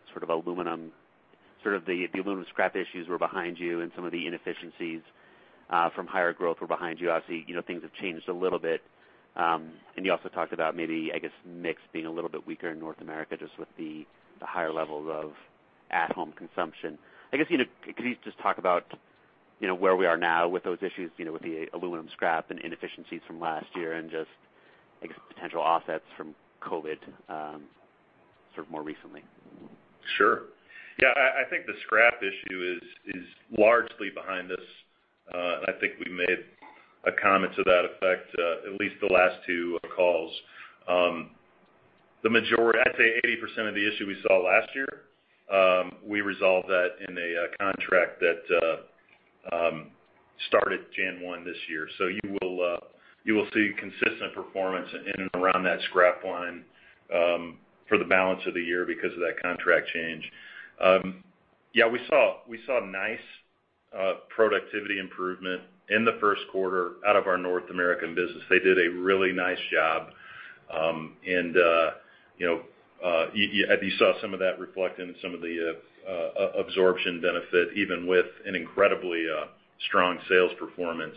the aluminum scrap issues were behind you and some of the inefficiencies from higher growth were behind you. Obviously, things have changed a little bit. You also talked about maybe, I guess, mix being a little bit weaker in North America, just with the higher levels of at-home consumption. I guess, could you just talk about where we are now with those issues with the aluminum scrap and inefficiencies from last year and just, I guess, potential offsets from COVID more recently? Sure. Yeah, I think the scrap issue is largely behind us. I think we made a comment to that effect at least the last two calls. I'd say 80% of the issue we saw last year, we resolved that in a contract that started January 1 this year. You will see consistent performance in and around that scrap line for the balance of the year because of that contract change. Yeah, we saw nice productivity improvement in the first quarter out of our North American business. They did a really nice job. You saw some of that reflect in some of the absorption benefit, even with an incredibly strong sales performance.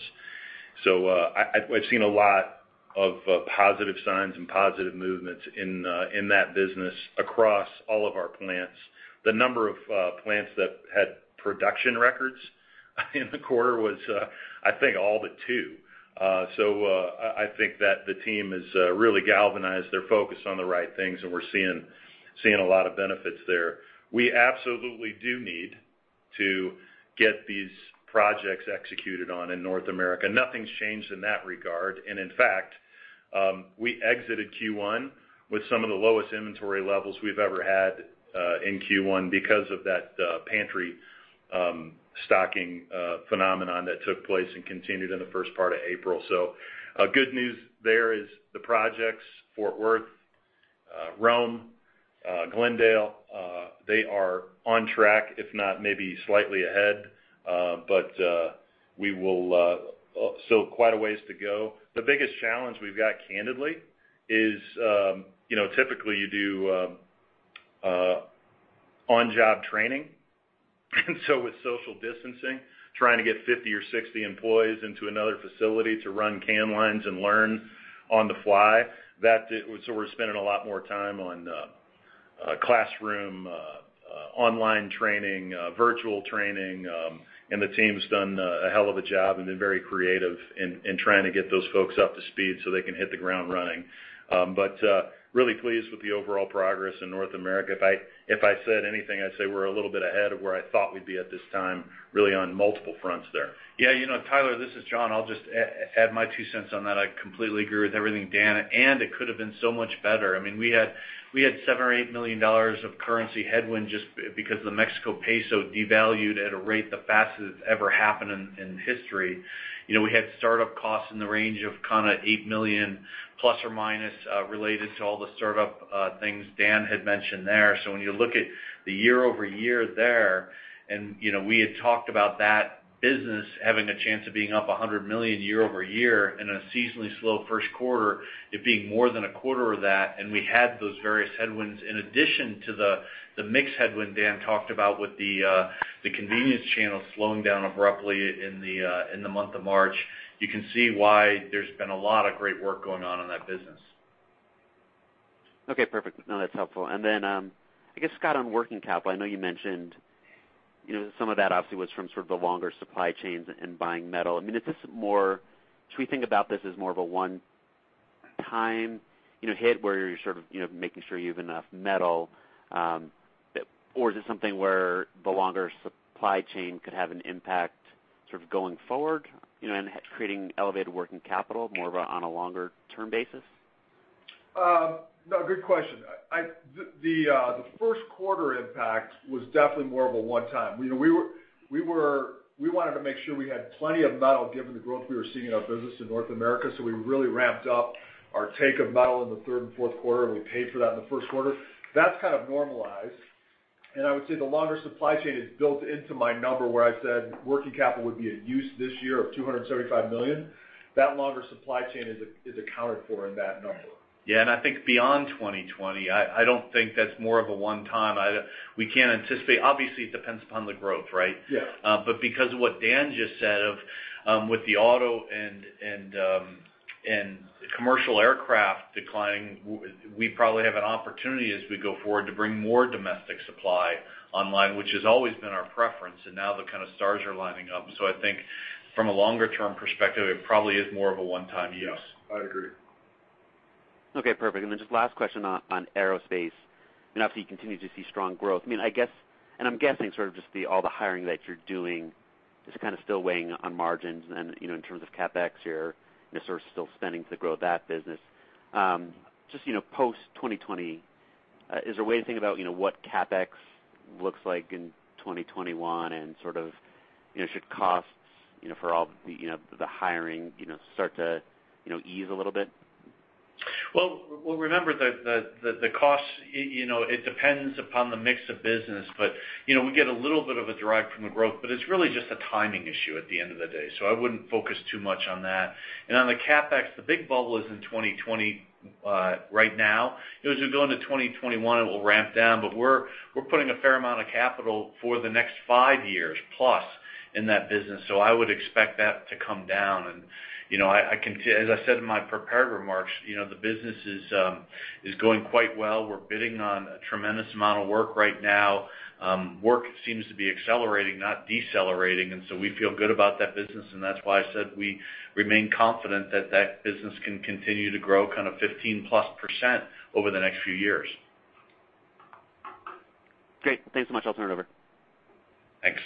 I've seen a lot of positive signs and positive movements in that business across all of our plants. The number of plants that had production records in the quarter was, I think all but two. I think that the team has really galvanized their focus on the right things, and we're seeing a lot of benefits there. We absolutely do need to get these projects executed on in North America. Nothing's changed in that regard. In fact, we exited Q1 with some of the lowest inventory levels we've ever had in Q1 because of that pantry stocking phenomenon that took place and continued in the first part of April. Good news there is the projects, Fort Worth, Rome, Glendale, they are on track, if not maybe slightly ahead. Still quite a ways to go. The biggest challenge we've got candidly is, typically you do on-job training, with social distancing, trying to get 50 or 60 employees into another facility to run can lines and learn on the fly. We're spending a lot more time on classroom online training, virtual training, and the team's done a hell of a job and been very creative in trying to get those folks up to speed so they can hit the ground running. Really pleased with the overall progress in North America. If I said anything, I'd say we're a little bit ahead of where I thought we'd be at this time, really on multiple fronts there. Tyler, this is John. I'll just add my $0.02 on that. I completely agree with everything Dan, and it could have been so much better. We had $7 million or $8 million of currency headwind just because the Mexico peso devalued at a rate the fastest it's ever happened in history. We had startup costs in the range of kind of $8 million plus or minus related to all the startup things Dan had mentioned there. When you look at the year-over-year there, and we had talked about that business having a chance of being up $100 million year-over-year in a seasonally slow first quarter, it being more than a quarter of that, and we had those various headwinds in addition to the mix headwind Dan talked about with the convenience channel slowing down abruptly in the month of March. You can see why there's been a lot of great work going on in that business. Okay, perfect. No, that's helpful. Then, I guess, Scott, on working capital, I know you mentioned some of that obviously was from sort of the longer supply chains and buying metal. Should we think about this as more of a one-time hit where you're sort of making sure you have enough metal, or is it something where the longer supply chain could have an impact sort of going forward, and creating elevated working capital more of on a longer term basis? No, good question. The first quarter impact was definitely more of a one-time. We wanted to make sure we had plenty of metal given the growth we were seeing in our business in North America, we really ramped up our take of metal in the third and fourth quarter, we paid for that in the first quarter. That's kind of normalized. I would say the longer supply chain is built into my number where I said working capital would be a use this year of $275 million. That longer supply chain is accounted for in that number. Yeah, I think beyond 2020, I don't think that's more of a one-time. We can't anticipate. Obviously, it depends upon the growth, right? Yes. Because of what Dan just said of with the auto and commercial aircraft declining, we probably have an opportunity as we go forward to bring more domestic supply online, which has always been our preference. Now the kind of stars are lining up. I think from a longer-term perspective, it probably is more of a one-time use. Yes, I agree. Okay, perfect. Then just last question on aerospace. Obviously, you continue to see strong growth. I'm guessing sort of just all the hiring that you're doing is kind of still weighing on margins and in terms of CapEx, you're sort of still spending to grow that business. Just post 2020, is there a way to think about what CapEx looks like in 2021 and sort of should costs for all the hiring start to ease a little bit? Well, remember the cost, it depends upon the mix of business, but we get a little bit of a derive from the growth, but it's really just a timing issue at the end of the day. I wouldn't focus too much on that. On the CapEx, the big bubble is in 2020 right now. As we go into 2021, it will ramp down, but we're putting a fair amount of capital for the next five years plus in that business. I would expect that to come down. As I said in my prepared remarks, the business is going quite well. We're bidding on a tremendous amount of work right now. Work seems to be accelerating, not decelerating, and so we feel good about that business, and that's why I said we remain confident that that business can continue to grow kind of 15% plus over the next few years. Great. Thanks so much. I'll turn it over. Thanks.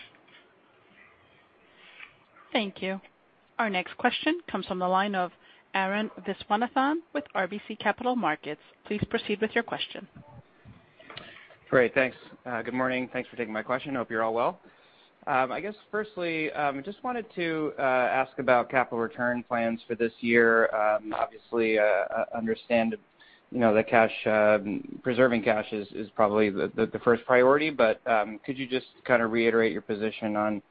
Thank you. Our next question comes from the line of Arun Viswanathan with RBC Capital Markets. Please proceed with your question. Great, thanks. Good morning. Thanks for taking my question. Hope you're all well. I guess firstly, just wanted to ask about capital return plans for this year. Obviously, understand preserving cash is probably the first priority, could you just kind of reiterate your position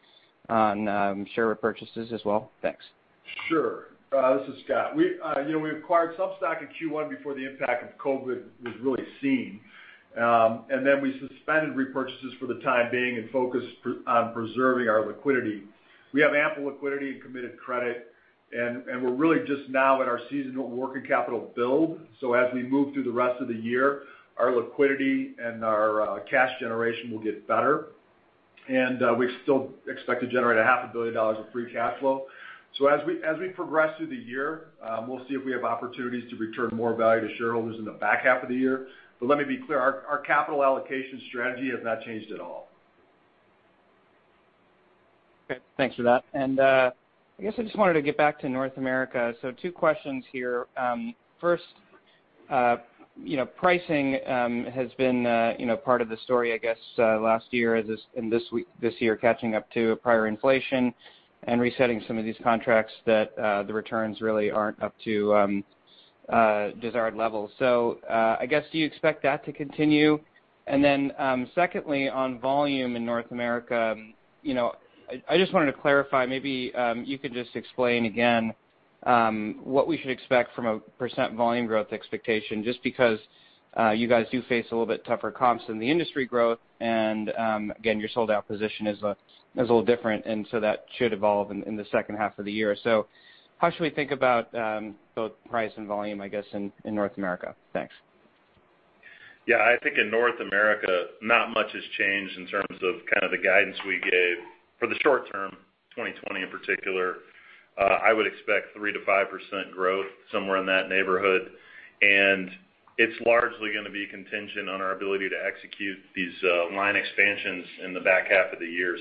on share repurchases as well? Thanks. Sure. This is Scott. We acquired some stock in Q1 before the impact of COVID-19 was really seen. Then we suspended repurchases for the time being and focused on preserving our liquidity. We have ample liquidity and committed credit, and we're really just now at our seasonal working capital build. As we move through the rest of the year, our liquidity and our cash generation will get better. We still expect to generate a half a billion dollars of free cash flow. As we progress through the year, we'll see if we have opportunities to return more value to shareholders in the back half of the year. Let me be clear, our capital allocation strategy has not changed at all. Okay, thanks for that. I guess I just wanted to get back to North America. Two questions here. First, pricing has been part of the story, I guess, last year and this year catching up to prior inflation and resetting some of these contracts that the returns really aren't up to desired levels. I guess do you expect that to continue? Secondly, on volume in North America, I just wanted to clarify, maybe you could just explain again what we should expect from a volume growth % expectation, just because you guys do face a little bit tougher comps than the industry growth. Again, your sold-out position is a little different, so that should evolve in the second half of the year. How should we think about both price and volume, I guess, in North America? Thanks. Yeah. I think in North America, not much has changed in terms of kind of the guidance we gave for the short term, 2020 in particular. I would expect 3%-5% growth, somewhere in that neighborhood. It's largely going to be contingent on our ability to execute these line expansions in the back half of the year.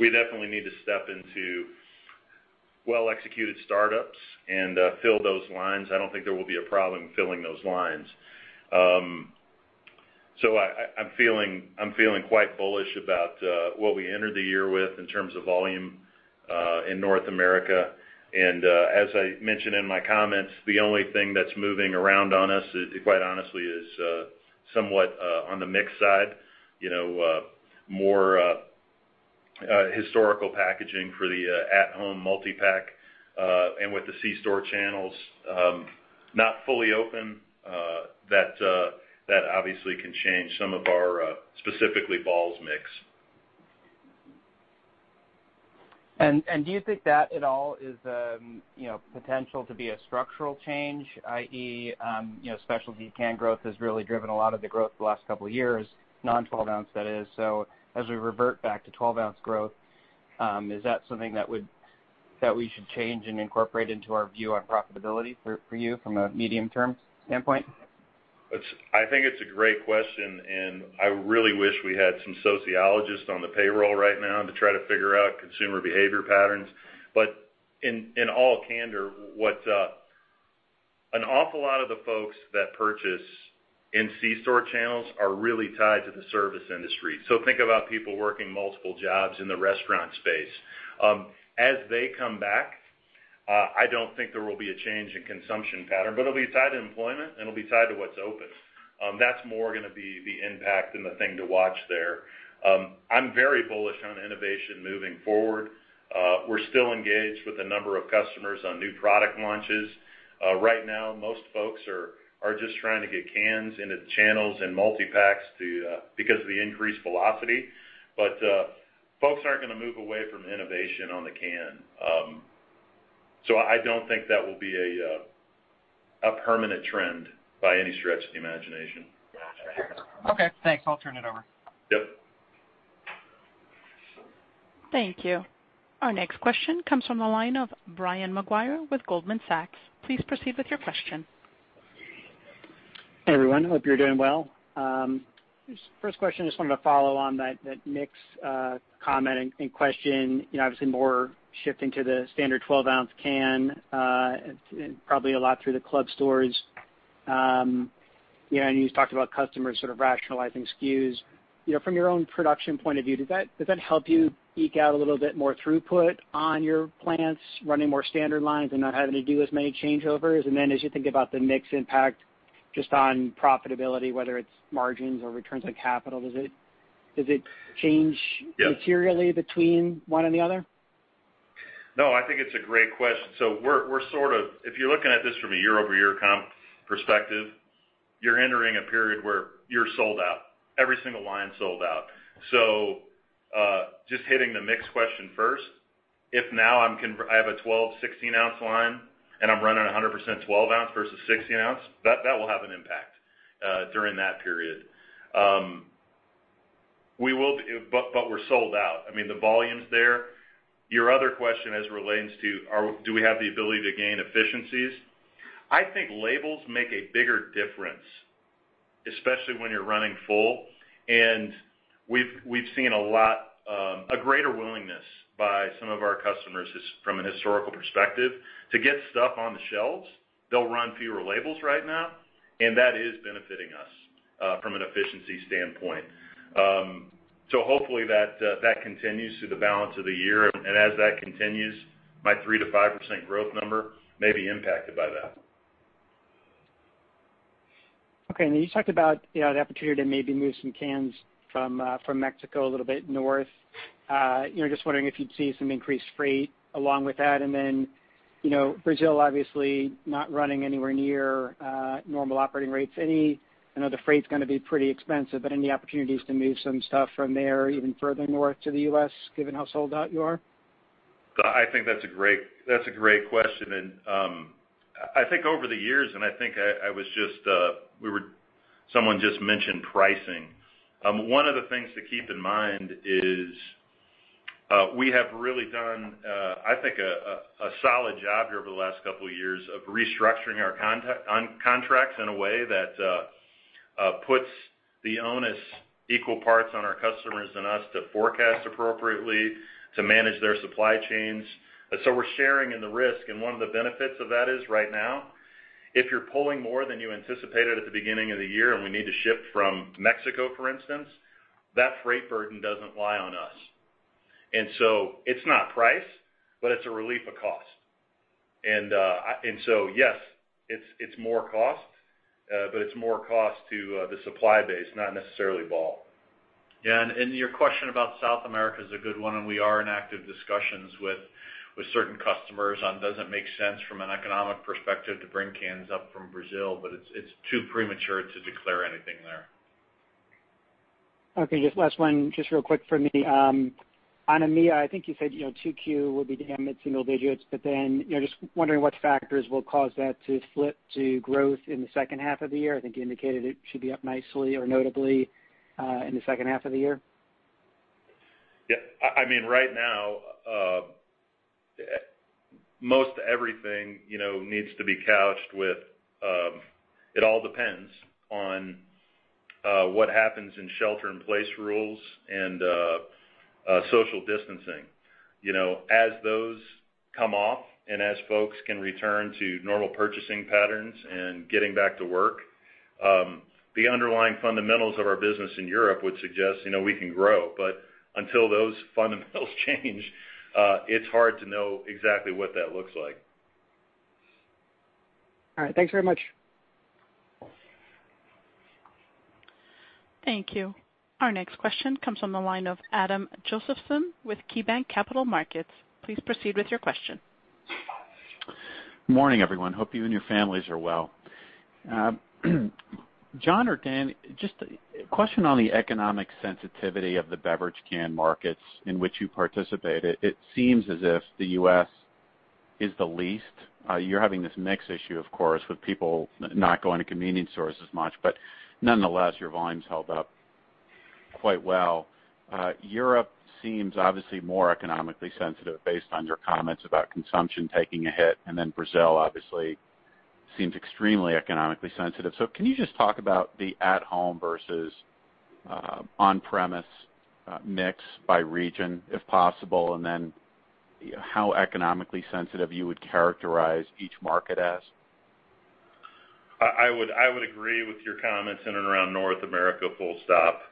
We definitely need to step into well-executed startups and fill those lines. I don't think there will be a problem filling those lines. I'm feeling quite bullish about what we entered the year with in terms of volume in North America. As I mentioned in my comments, the only thing that's moving around on us, quite honestly, is somewhat on the mix side. More historical packaging for the at-home multi-pack. With the C-store channels not fully open, that obviously can change some of our specifically Ball's mix. Do you think that at all is potential to be a structural change, i.e., specialty can growth has really driven a lot of the growth the last couple of years, non-12-ounce that is. As we revert back to 12-ounce growth, is that something that we should change and incorporate into our view on profitability for you from a medium-term standpoint? I think it's a great question, and I really wish we had some sociologists on the payroll right now to try to figure out consumer behavior patterns. In all candor, an awful lot of the folks that purchase in C-store channels are really tied to the service industry. Think about people working multiple jobs in the restaurant space. As they come back, I don't think there will be a change in consumption pattern, but it'll be tied to employment, and it'll be tied to what's open. That's more going to be the impact and the thing to watch there. I'm very bullish on innovation moving forward. We're still engaged with a number of customers on new product launches. Right now, most folks are just trying to get cans into the channels in multi-packs because of the increased velocity. Folks aren't going to move away from innovation on the can. I don't think that will be a permanent trend by any stretch of the imagination. Okay, thanks. I'll turn it over. Yep. Thank you. Our next question comes from the line of Brian Maguire with Goldman Sachs. Please proceed with your question. Hey, everyone. Hope you're doing well. First question, just wanted to follow on that mix comment and question, obviously more shifting to the standard 12-ounce can, probably a lot through the club stores. You talked about customers sort of rationalizing SKUs. From your own production point of view, does that help you eke out a little bit more throughput on your plants, running more standard lines and not having to do as many changeovers? As you think about the mix impact just on profitability, whether it's margins or returns on capital, does it change materially between one and the other? No, I think it's a great question. If you're looking at this from a year-over-year comp perspective, you're entering a period where you're sold out, every single line sold out. Just hitting the mix question first, if now I have a 12-ounce, 16-ounce line and I'm running 100% 12 ounce versus 16 ounce, that will have an impact during that period. We're sold out. I mean, the volume's there. Your other question as it relates to do we have the ability to gain efficiencies? I think labels make a bigger difference, especially when you're running full. We've seen a greater willingness by some of our customers from a historical perspective to get stuff on the shelves. They'll run fewer labels right now, and that is benefiting us from an efficiency standpoint. Hopefully that continues through the balance of the year. As that continues, my 3%-5% growth number may be impacted by that. Okay. You talked about the opportunity to maybe move some cans from Mexico a little bit north. Just wondering if you'd see some increased freight along with that. Brazil obviously not running anywhere near normal operating rates. I know the freight's going to be pretty expensive, but any opportunities to move some stuff from there even further north to the U.S. given how sold out you are? I think that's a great question. I think over the years, and I think someone just mentioned pricing. One of the things to keep in mind is we have really done I think a solid job here over the last couple of years of restructuring our contracts in a way that puts the onus equal parts on our customers and us to forecast appropriately to manage their supply chains. We're sharing in the risk, and one of the benefits of that is right now, if you're pulling more than you anticipated at the beginning of the year, and we need to ship from Mexico, for instance, that freight burden doesn't lie on us. It's not price, but it's a relief of cost. Yes, it's more cost, but it's more cost to the supply base, not necessarily Ball. Your question about South America is a good one, and we are in active discussions with certain customers on does it make sense from an economic perspective to bring cans up from Brazil, but it's too premature to declare anything there. Just last one, just real quick for me. On EMEA, I think you said 2Q will be down mid-single digits, just wondering what factors will cause that to flip to growth in the second half of the year. I think you indicated it should be up nicely or notably in the second half of the year. Yeah. Right now, most everything needs to be couched with, it all depends on what happens in shelter-in-place rules and social distancing. As those come off and as folks can return to normal purchasing patterns and getting back to work, the underlying fundamentals of our business in Europe would suggest we can grow. Until those fundamentals change, it's hard to know exactly what that looks like. All right. Thanks very much. Thank you. Our next question comes from the line of Adam Josephson with KeyBanc Capital Markets. Please proceed with your question. Morning, everyone. Hope you and your families are well. John or Dan, just a question on the economic sensitivity of the beverage can markets in which you participate. It seems as if the U.S. is the least. You're having this mix issue, of course, with people not going to convenience stores as much, but nonetheless, your volumes held up quite well. Europe seems obviously more economically sensitive based on your comments about consumption taking a hit, and then Brazil obviously seems extremely economically sensitive. Can you just talk about the at-home versus on-premise mix by region if possible, and then how economically sensitive you would characterize each market as? I would agree with your comments in and around North America, full stop.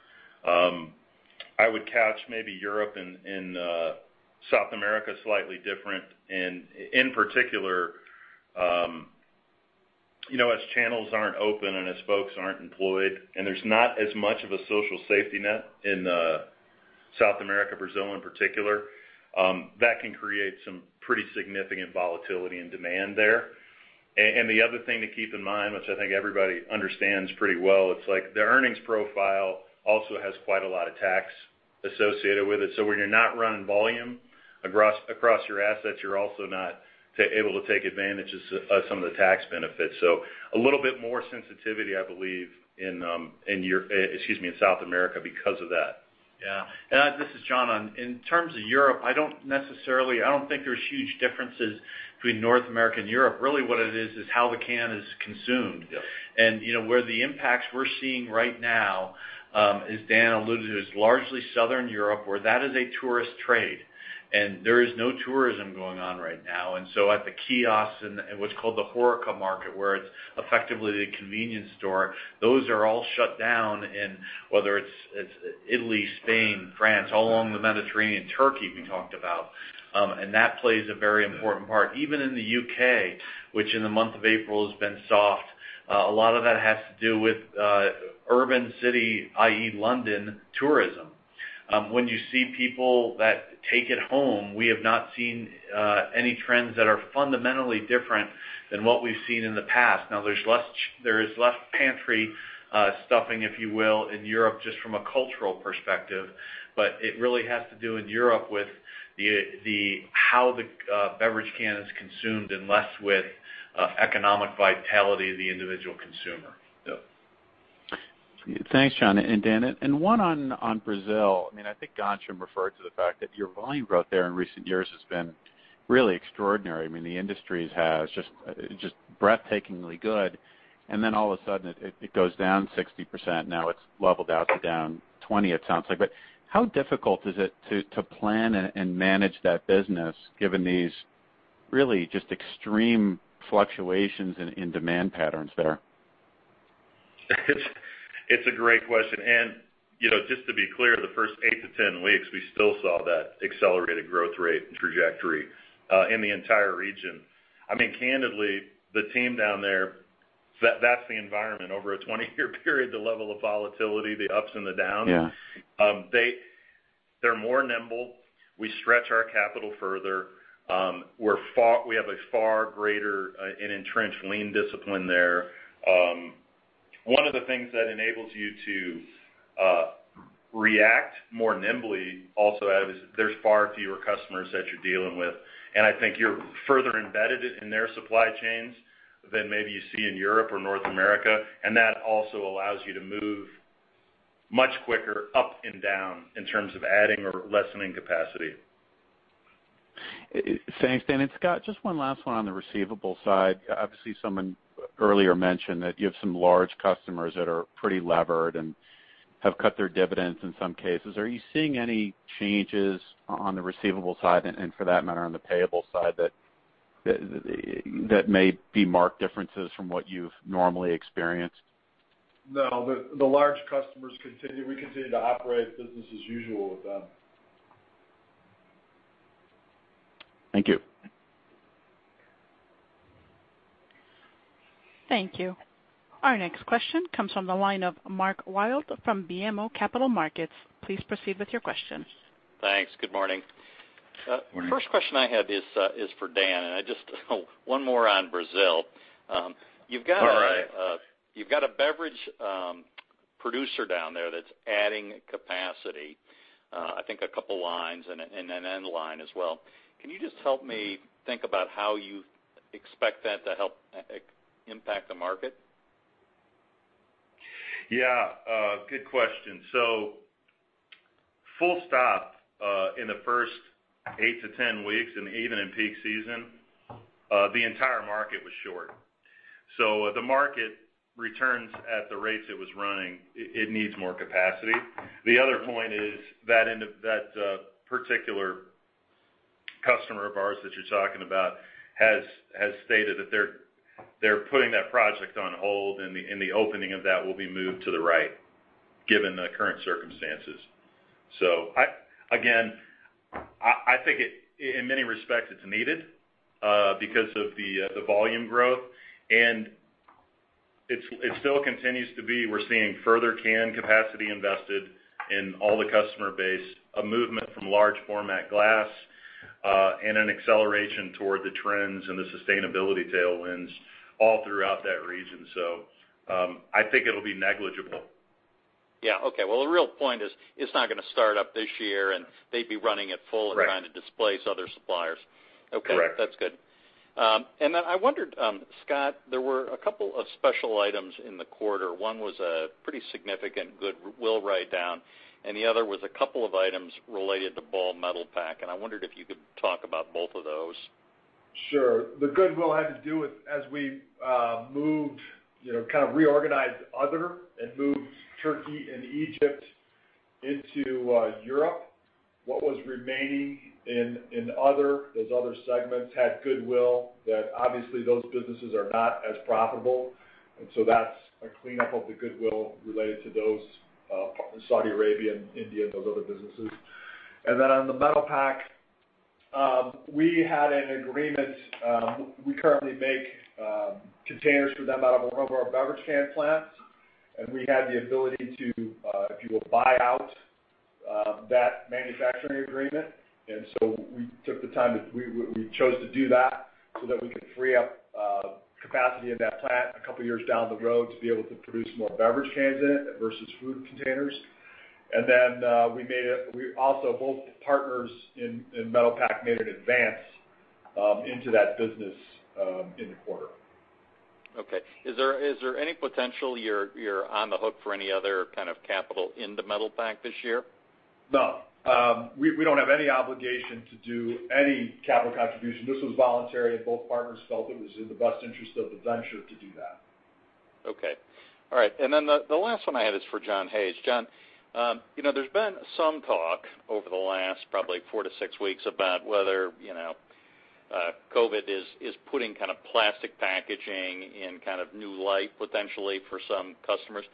I would couch maybe Europe and South America slightly different. In particular, as channels aren't open and as folks aren't employed, and there's not as much of a social safety net in South America, Brazil in particular, that can create some pretty significant volatility in demand there. The other thing to keep in mind, which I think everybody understands pretty well, it's like the earnings profile also has quite a lot of tax associated with it. When you're not running volume across your assets, you're also not able to take advantage of some of the tax benefits. A little bit more sensitivity, I believe, in South America because of that. Yeah. This is John. In terms of Europe, I don't think there's huge differences between North America and Europe. Really what it is is how the can is consumed. Yeah. Where the impacts we're seeing right now, as Dan alluded to, is largely Southern Europe, where that is a tourist trade, and there is no tourism going on right now. At the kiosks and what's called the HoReCa market, where it's effectively the convenience store, those are all shut down in whether it's Italy, Spain, France, all along the Mediterranean, Turkey, we talked about. That plays a very important part. Even in the U.K., which in the month of April has been soft, a lot of that has to do with urban city, i.e. London tourism. When you see people that take it home, we have not seen any trends that are fundamentally different than what we've seen in the past. There's less pantry stuffing, if you will, in Europe just from a cultural perspective, but it really has to do in Europe with how the beverage can is consumed and less with economic vitality of the individual consumer. Yeah. Thanks, John and Dan. One on Brazil. I think Ghansham referred to the fact that your volume growth there in recent years has been really extraordinary. The industry has just breathtakingly good, then all of a sudden it goes down 60%. Now it's leveled out to down 20%, it sounds like. How difficult is it to plan and manage that business given these really just extreme fluctuations in demand patterns there? It's a great question. Just to be clear, the first eight to 10 weeks, we still saw that accelerated growth rate and trajectory in the entire region. Candidly, the team down there, that's the environment. Over a 20-year period, the level of volatility, the ups and the downs. Yeah. They're more nimble. We stretch our capital further. We have a far greater and entrenched lean discipline there. One of the things that enables you to react more nimbly also as there's far fewer customers that you're dealing with, and I think you're further embedded in their supply chains than maybe you see in Europe or North America. That also allows you to move much quicker up and down in terms of adding or lessening capacity. Thanks, Dan. Scott, just one last one on the receivable side. Obviously, someone earlier mentioned that you have some large customers that are pretty levered and have cut their dividends in some cases. Are you seeing any changes on the receivable side and for that matter, on the payable side that may be marked differences from what you've normally experienced? No. The large customers continue. We continue to operate business as usual with them. Thank you. Thank you. Our next question comes from the line of Mark Wilde from BMO Capital Markets. Please proceed with your questions. Thanks. Good morning. Morning. First question I have is for Dan, and just one more on Brazil. All right. You've got a beverage producer down there that's adding capacity, I think a couple lines and an end line as well. Can you just help me think about how you expect that to help impact the market? Yeah. Good question. Full stop, in the first 8-10 weeks and even in peak season, the entire market was short. The market returns at the rates it was running. It needs more capacity. The other point is that particular customer of ours that you're talking about has stated that they're putting that project on hold, and the opening of that will be moved to the right given the current circumstances. Again, I think in many respects it's needed because of the volume growth and it still continues to be, we're seeing further can capacity invested in all the customer base, a movement from large format glass, and an acceleration toward the trends and the sustainability tailwinds all throughout that region. I think it'll be negligible. Yeah. Okay. Well, the real point is it's not going to start up this year, and they'd be running it full. Right. Trying to displace other suppliers. Correct. Okay. That's good. Then I wondered, Scott, there were a couple of special items in the quarter. One was a pretty significant goodwill writedown, and the other was a couple of items related to Ball Metalpack. I wondered if you could talk about both of those. Sure. The goodwill had to do with as we moved, kind of reorganized other and moved Turkey and Egypt into Europe, what was remaining in those other segments had goodwill that obviously those businesses are not as profitable. That's a cleanup of the goodwill related to those, Saudi Arabia and India and those other businesses. On the Metalpack, we had an agreement. We currently make containers for them out of one of our beverage can plants. We had the ability to, if you will, buy out that manufacturing agreement. We took the time, we chose to do that so that we could free up capacity in that plant a couple of years down the road to be able to produce more beverage cans in it versus food containers. Both partners in Metalpack made an advance into that business in the quarter. Okay. Is there any potential you're on the hook for any other kind of capital in the Metalpack this year? No. We don't have any obligation to do any capital contribution. This was voluntary. Both partners felt it was in the best interest of the venture to do that. Okay. All right. The last one I had is for John Hayes. John, there's been some talk over the last probably four to six weeks about whether COVID is putting kind of plastic packaging in kind of new light potentially for some customers.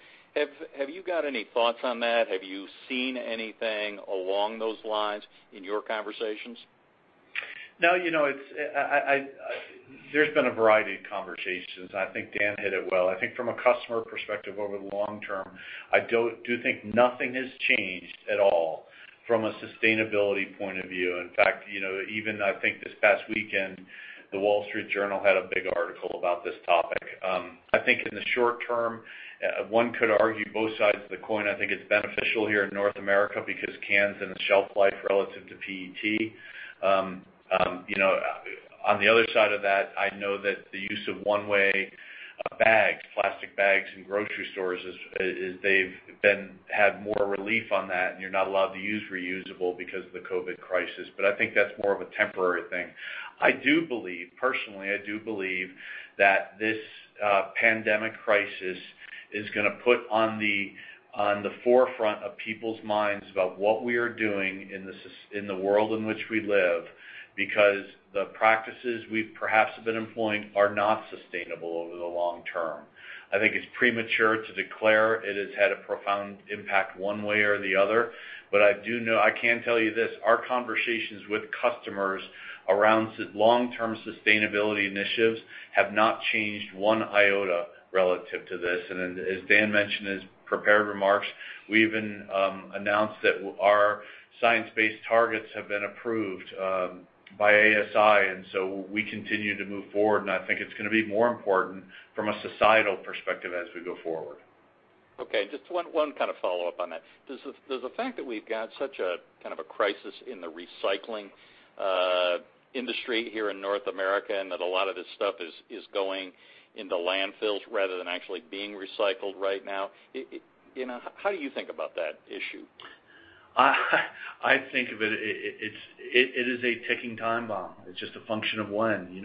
Have you got any thoughts on that? Have you seen anything along those lines in your conversations? No. There's been a variety of conversations. I think Dan hit it well. I think from a customer perspective over the long term, I do think nothing has changed at all from a sustainability point of view. In fact, even I think this past weekend, The Wall Street Journal had a big article about this topic. I think in the short term, one could argue both sides of the coin. I think it's beneficial here in North America because cans and the shelf life relative to PET. On the other side of that, I know that the use of one-way bags, plastic bags in grocery stores, they've had more relief on that, and you're not allowed to use reusable because of the COVID-19. I think that's more of a temporary thing. Personally, I do believe that this pandemic crisis is going to put on the forefront of people's minds about what we are doing in the world in which we live because the practices we perhaps have been employing are not sustainable over the long term. I think it's premature to declare it has had a profound impact one way or the other. I can tell you this, our conversations with customers around long-term sustainability initiatives have not changed one iota relative to this. As Dan mentioned in his prepared remarks, we even announced that our science-based targets have been approved by ASI, and so we continue to move forward, and I think it's going to be more important from a societal perspective as we go forward. Okay, just one kind of follow-up on that. Does the fact that we've got such a crisis in the recycling industry here in North America, and that a lot of this stuff is going into landfills rather than actually being recycled right now, how do you think about that issue? I think of it is a ticking time bomb. It's just a function of when.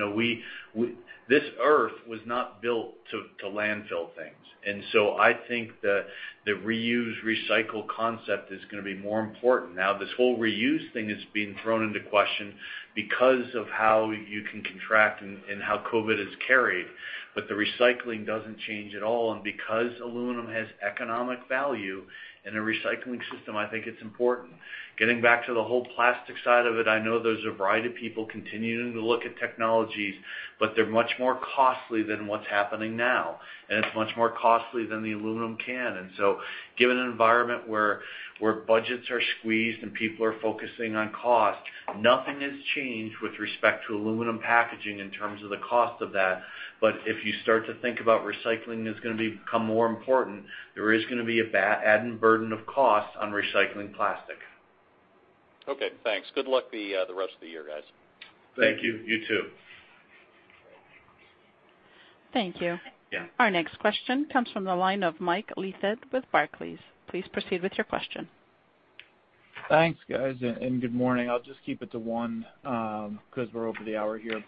This Earth was not built to landfill things. I think the reuse, recycle concept is going to be more important. Now, this whole reuse thing is being thrown into question because of how you can contract and how COVID-19 is carried. The recycling doesn't change at all, and because aluminum has economic value in a recycling system, I think it's important. Getting back to the whole plastic side of it, I know there's a variety of people continuing to look at technologies, but they're much more costly than what's happening now. It's much more costly than the aluminum can. Given an environment where budgets are squeezed and people are focusing on cost, nothing has changed with respect to aluminum packaging in terms of the cost of that. If you start to think about recycling is going to become more important, there is going to be an added burden of cost on recycling plastic. Okay, thanks. Good luck the rest of the year, guys. Thank you. You too. Thank you. Yeah. Our next question comes from the line of Mike Leithead with Barclays. Please proceed with your question. Thanks, guys, and good morning. I'll just keep it to one because we're over the hour here.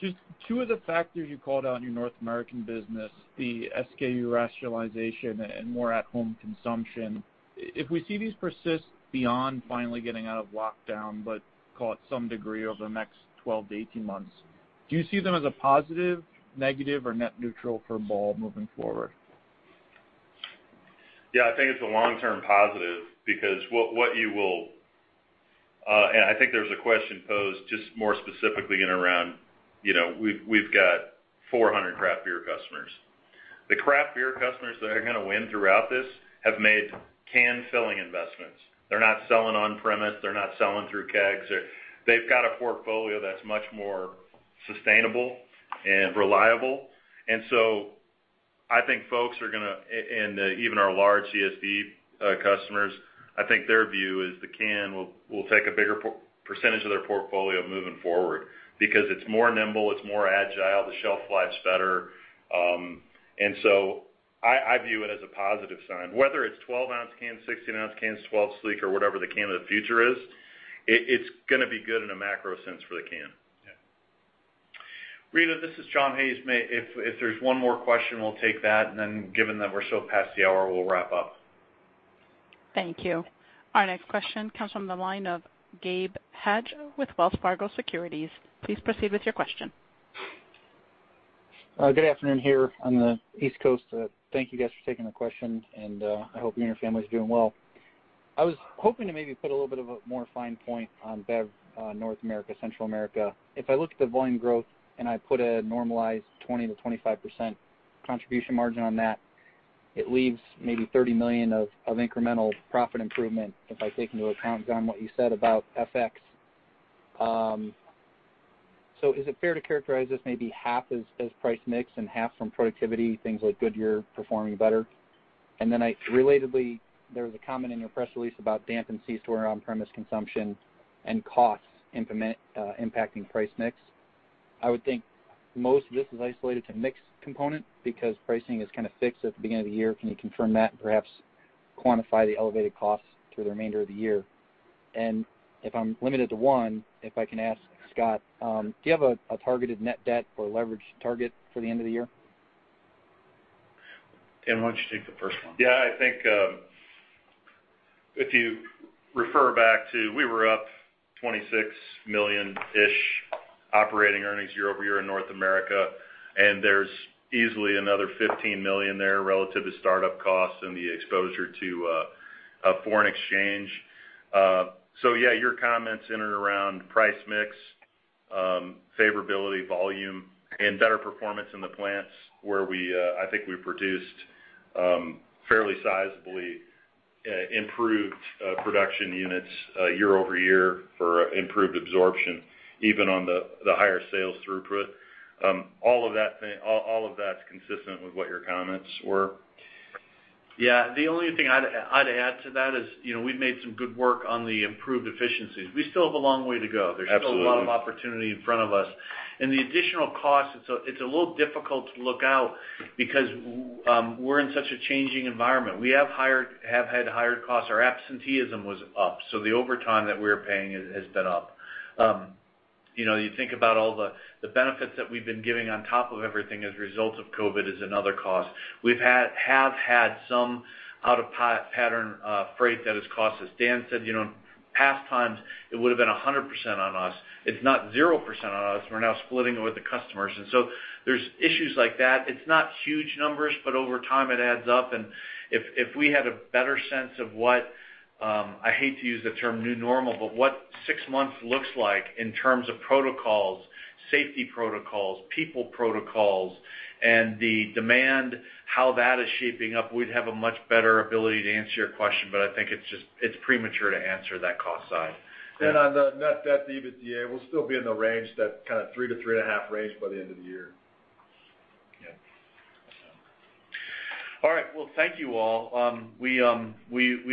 Just two of the factors you called out in your North American business, the SKU rationalization and more at-home consumption. If we see these persist beyond finally getting out of lockdown, but call it some degree over the next 12-18 months, do you see them as a positive, negative, or net neutral for Ball moving forward? Yeah, I think it's a long-term positive because I think there was a question posed just more specifically around, we've got 400 craft beer customers. The craft beer customers that are going to win throughout this have made can filling investments. They're not selling on-premise. They're not selling through kegs. They've got a portfolio that's much more sustainable and reliable. I think, and even our large CSD customers, I think their view is the can will take a bigger percentage of their portfolio moving forward because it's more nimble, it's more agile, the shelf life's better. I view it as a positive sign. Whether it's 12-ounce cans, 16-ounce cans, 12 sleek, or whatever the can of the future is, it's going to be good in a macro sense for the can. Yeah. Rita, this is John Hayes. If there's one more question, we'll take that, and then given that we're so past the hour, we'll wrap up. Thank you. Our next question comes from the line of Gabe Hajde with Wells Fargo Securities. Please proceed with your question. Good afternoon here on the East Coast. Thank you guys for taking the question, and I hope you and your family are doing well. I was hoping to maybe put a little bit of a more fine point on Bev North America, Central America. If I look at the volume growth and I put a normalized 20%-25% contribution margin on that, it leaves maybe $30 million of incremental profit improvement if I take into account, John, what you said about FX. Is it fair to characterize this maybe half as price mix and half from productivity, things like Goodyear performing better? Relatedly, there was a comment in your press release about dampened C-store on-premise consumption and costs impacting price mix. I would think most of this is isolated to mix component because pricing is kind of fixed at the beginning of the year. Can you confirm that and perhaps quantify the elevated costs through the remainder of the year? If I'm limited to one, if I can ask Scott, do you have a targeted net debt or leverage target for the end of the year? Dan, why don't you take the first one? I think, if you refer back to, we were up $26 million-ish operating earnings year-over-year in North America, there's easily another $15 million there relative to startup costs and the exposure to foreign exchange. Your comments in and around price mix, favorability, volume, and better performance in the plants where I think we produced fairly sizably improved production units year-over-year for improved absorption, even on the higher sales throughput. All of that's consistent with what your comments were. Yeah. The only thing I'd add to that is, we've made some good work on the improved efficiencies. We still have a long way to go. Absolutely. There's still a lot of opportunity in front of us. The additional cost, it's a little difficult to look out because we're in such a changing environment. We have had higher costs. Our absenteeism was up, so the overtime that we're paying has been up. You think about all the benefits that we've been giving on top of everything as a result of COVID is another cost. We have had some out-of-pattern freight that has cost us. Dan said, past times, it would've been 100% on us. It's not 0% on us. We're now splitting it with the customers. So there's issues like that. It's not huge numbers, but over time, it adds up. If we had a better sense of what, I hate to use the term new normal, but what six months looks like in terms of protocols, safety protocols, people protocols, and the demand, how that is shaping up, we'd have a much better ability to answer your question, but I think it's premature to answer that cost side. On the net debt, the EBITDA, we'll still be in the range, that kind of three to three and a half range by the end of the year. Yeah. All right. Well, thank you all. We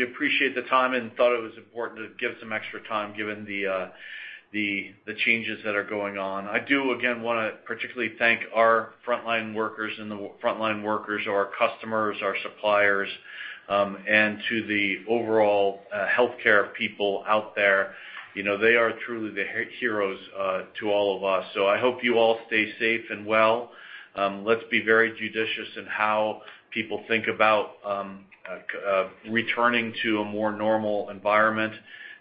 appreciate the time and thought it was important to give some extra time given the changes that are going on. I do, again, want to particularly thank our frontline workers and our customers, our suppliers, and to the overall healthcare people out there. They are truly the heroes to all of us. I hope you all stay safe and well. Let's be very judicious in how people think about returning to a more normal environment,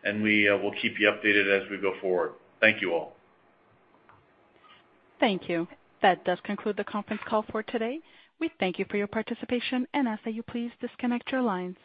and we will keep you updated as we go forward. Thank you all. Thank you. That does conclude the conference call for today. We thank you for your participation and ask that you please disconnect your lines.